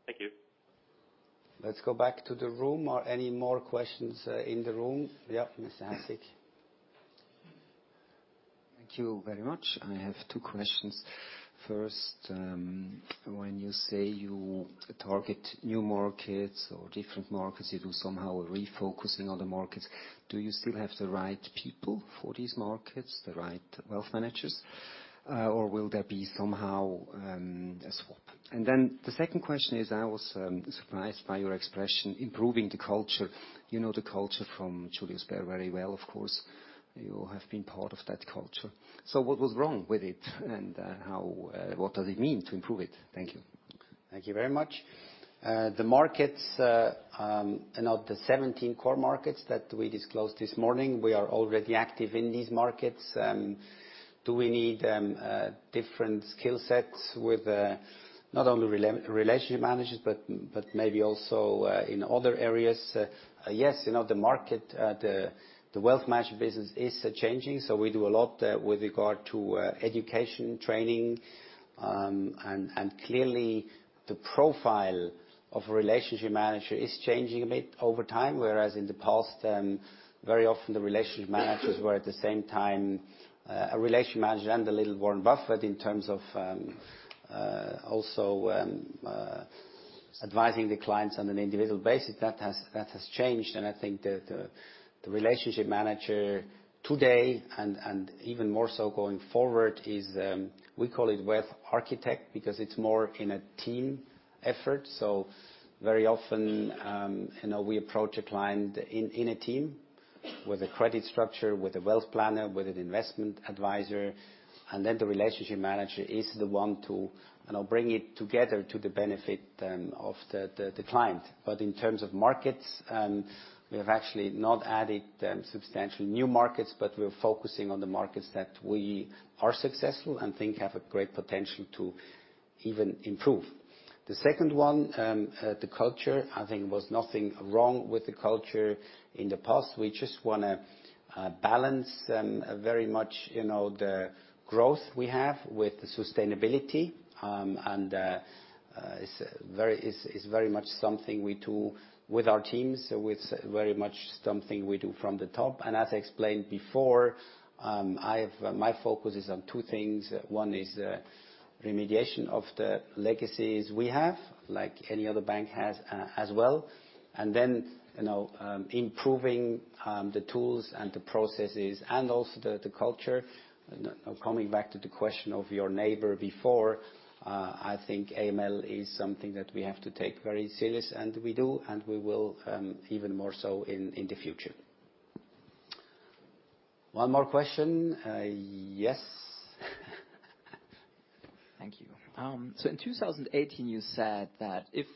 S16: Okay. Thank you.
S1: Let's go back to the room. Are any more questions in the room? Yeah, Mr. Hassick.
S12: Thank you very much. I have two questions. First, when you say you target new markets or different markets, you do somehow refocusing on the markets. Do you still have the right people for these markets, the right wealth managers? Will there be somehow a swap? The second question is, I was surprised by your expression, improving the culture. You know the culture from Julius Bär very well, of course. You have been part of that culture. What was wrong with it, and what does it mean to improve it? Thank you.
S1: Thank you very much. The markets, the 17 core markets that we disclosed this morning, we are already active in these markets. Do we need different skill sets with not only relationship managers but maybe also in other areas? Yes, the market, the wealth management business is changing. We do a lot with regard to education training. Clearly, the profile of a relationship manager is changing a bit over time. Whereas in the past, very often the relationship managers were at the same time a relationship manager and a little Warren Buffett in terms of also advising the clients on an individual basis. That has changed, and I think the relationship manager today, and even more so going forward, is we call it wealth architect, because it's more in a team effort. Very often, we approach a client in a team with a credit structure, with a wealth planner, with an investment advisor, and then the relationship manager is the one to bring it together to the benefit of the client. In terms of markets, we have actually not added substantial new markets, but we're focusing on the markets that we are successful and think have a great potential to even improve. The second one, the culture, I think was nothing wrong with the culture in the past. We just want to balance very much, the growth we have with sustainability. It's very much something we do with our teams, it's very much something we do from the top. As I explained before, my focus is on two things. One is remediation of the legacies we have, like any other bank has as well. Improving the tools and the processes and also the culture. Coming back to the question of your neighbor before, I think AML is something that we have to take very serious, and we do, and we will, even more so in the future. One more question. Yes.
S17: Thank you. In 2018, you said that if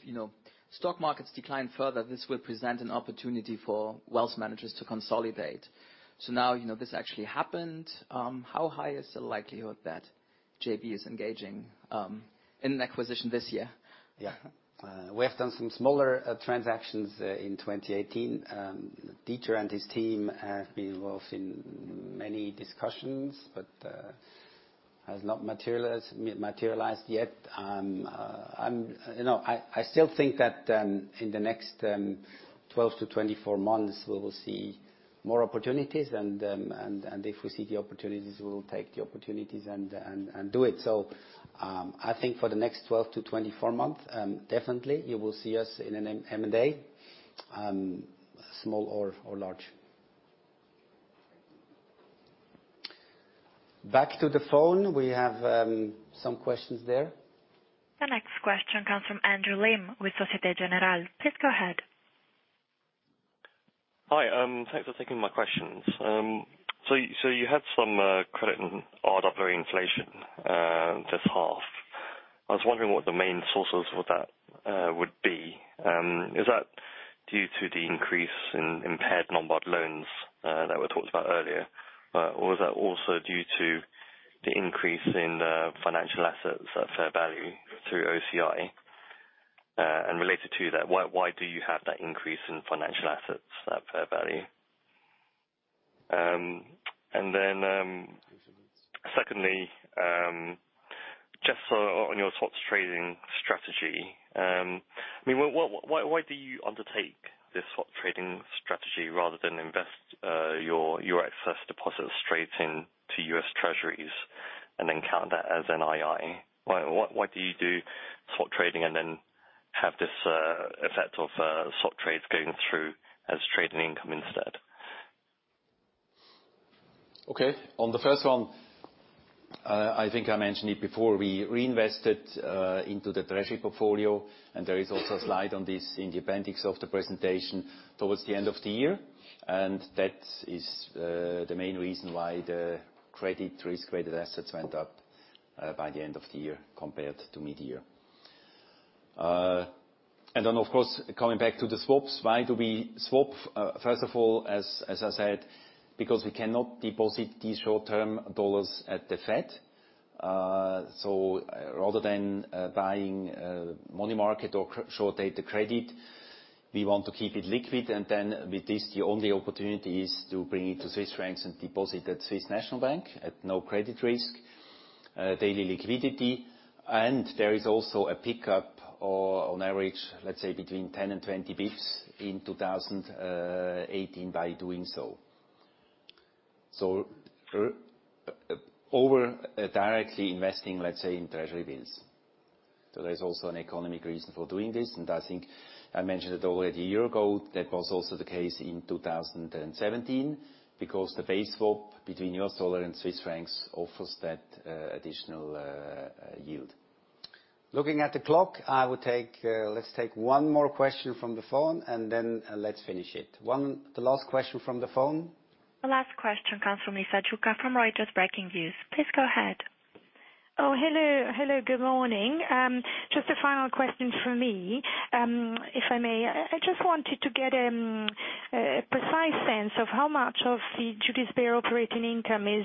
S17: stock markets decline further, this will present an opportunity for wealth managers to consolidate. Now, this actually happened. How high is the likelihood that JB is engaging in an acquisition this year?
S1: We have done some smaller transactions in 2018. Dieter and his team have been involved in many discussions, but has not materialized yet. I still think that in the next 12-24 months, we will see more opportunities. If we see the opportunities, we will take the opportunities and do it. I think for the next 12-24 months, definitely you will see us in an M&A small or large. Back to the phone. We have some questions there.
S6: The next question comes from Andrew Lim with Société Générale. Please go ahead.
S18: Hi. Thanks for taking my questions. You had some credit in RWA inflation this half. I was wondering what the main sources for that would be. Is that due to the increase in impaired non-performing loans that were talked about earlier? Or is that also due to the increase in the financial assets at fair value through OCI? Related to that, why do you have that increase in financial assets at fair value? Secondly, just on your swaps trading strategy, why do you undertake this swap trading strategy rather than invest your excess deposits straight into U.S. Treasuries and then count that as NII? Why do you do swap trading and then have this effect of swap trades going through as trading income instead?
S1: Okay. On the first one, I think I mentioned it before. We reinvested into the treasury portfolio, there is also a slide on this in the appendix of the presentation towards the end of the year. That is the main reason why the credit risk-rated assets went up by the end of the year compared to mid-year. Of course, coming back to the swaps. Why do we swap? First of all, as I said, because we cannot deposit these short-term U.S. dollars at the Fed. Rather than buying money market or short-dated credit, we want to keep it liquid. With this, the only opportunity is to bring it to Swiss francs and deposit at Swiss National Bank at no credit risk, daily liquidity. There is also a pickup on average, let's say, between 10 and 20 basis points in 2018 by doing so. Over directly investing, let's say, in treasury bills. There is also an economic reason for doing this. I think I mentioned it already a year ago, that was also the case in 2017, because the base swap between U.S. dollar and Swiss francs offers that additional yield. Looking at the clock, let's take one more question from the phone, let's finish it. The last question from the phone.
S6: The last question comes from Lisa Jucca from Reuters Breakingviews. Please go ahead.
S19: Hello. Good morning. Just a final question from me. If I may, I just wanted to get a precise sense of how much of the Julius Bär operating income is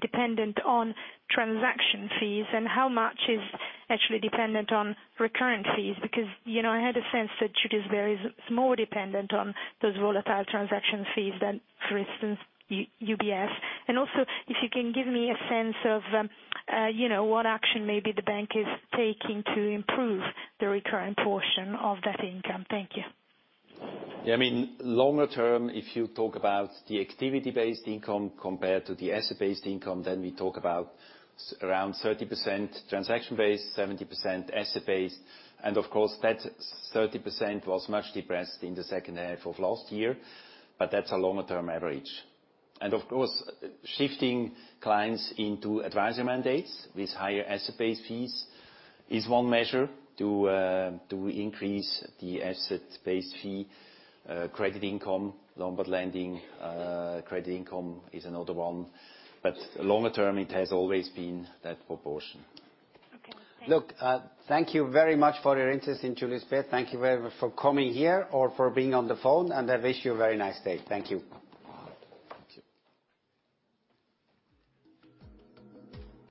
S19: dependent on transaction fees and how much is actually dependent on recurrent fees. I had a sense that Julius Bär is more dependent on those volatile transaction fees than, for instance, UBS. If you can give me a sense of what action maybe the bank is taking to improve the recurring portion of that income. Thank you.
S1: Longer term, if you talk about the activity-based income compared to the asset-based income, we talk about around 30% transaction based, 70% asset based. Of course, that 30% was much depressed in the second half of last year, but that's a longer-term average. Of course, shifting clients into advisory mandates with higher asset-based fees is one measure to increase the asset-based fee. Credit income, Lombard lending credit income is another one. Longer term, it has always been that proportion.
S19: Okay. Thank you.
S1: Thank you very much for your interest in Julius Bär. Thank you very much for coming here or for being on the phone, and I wish you a very nice day. Thank you.
S6: Thank you.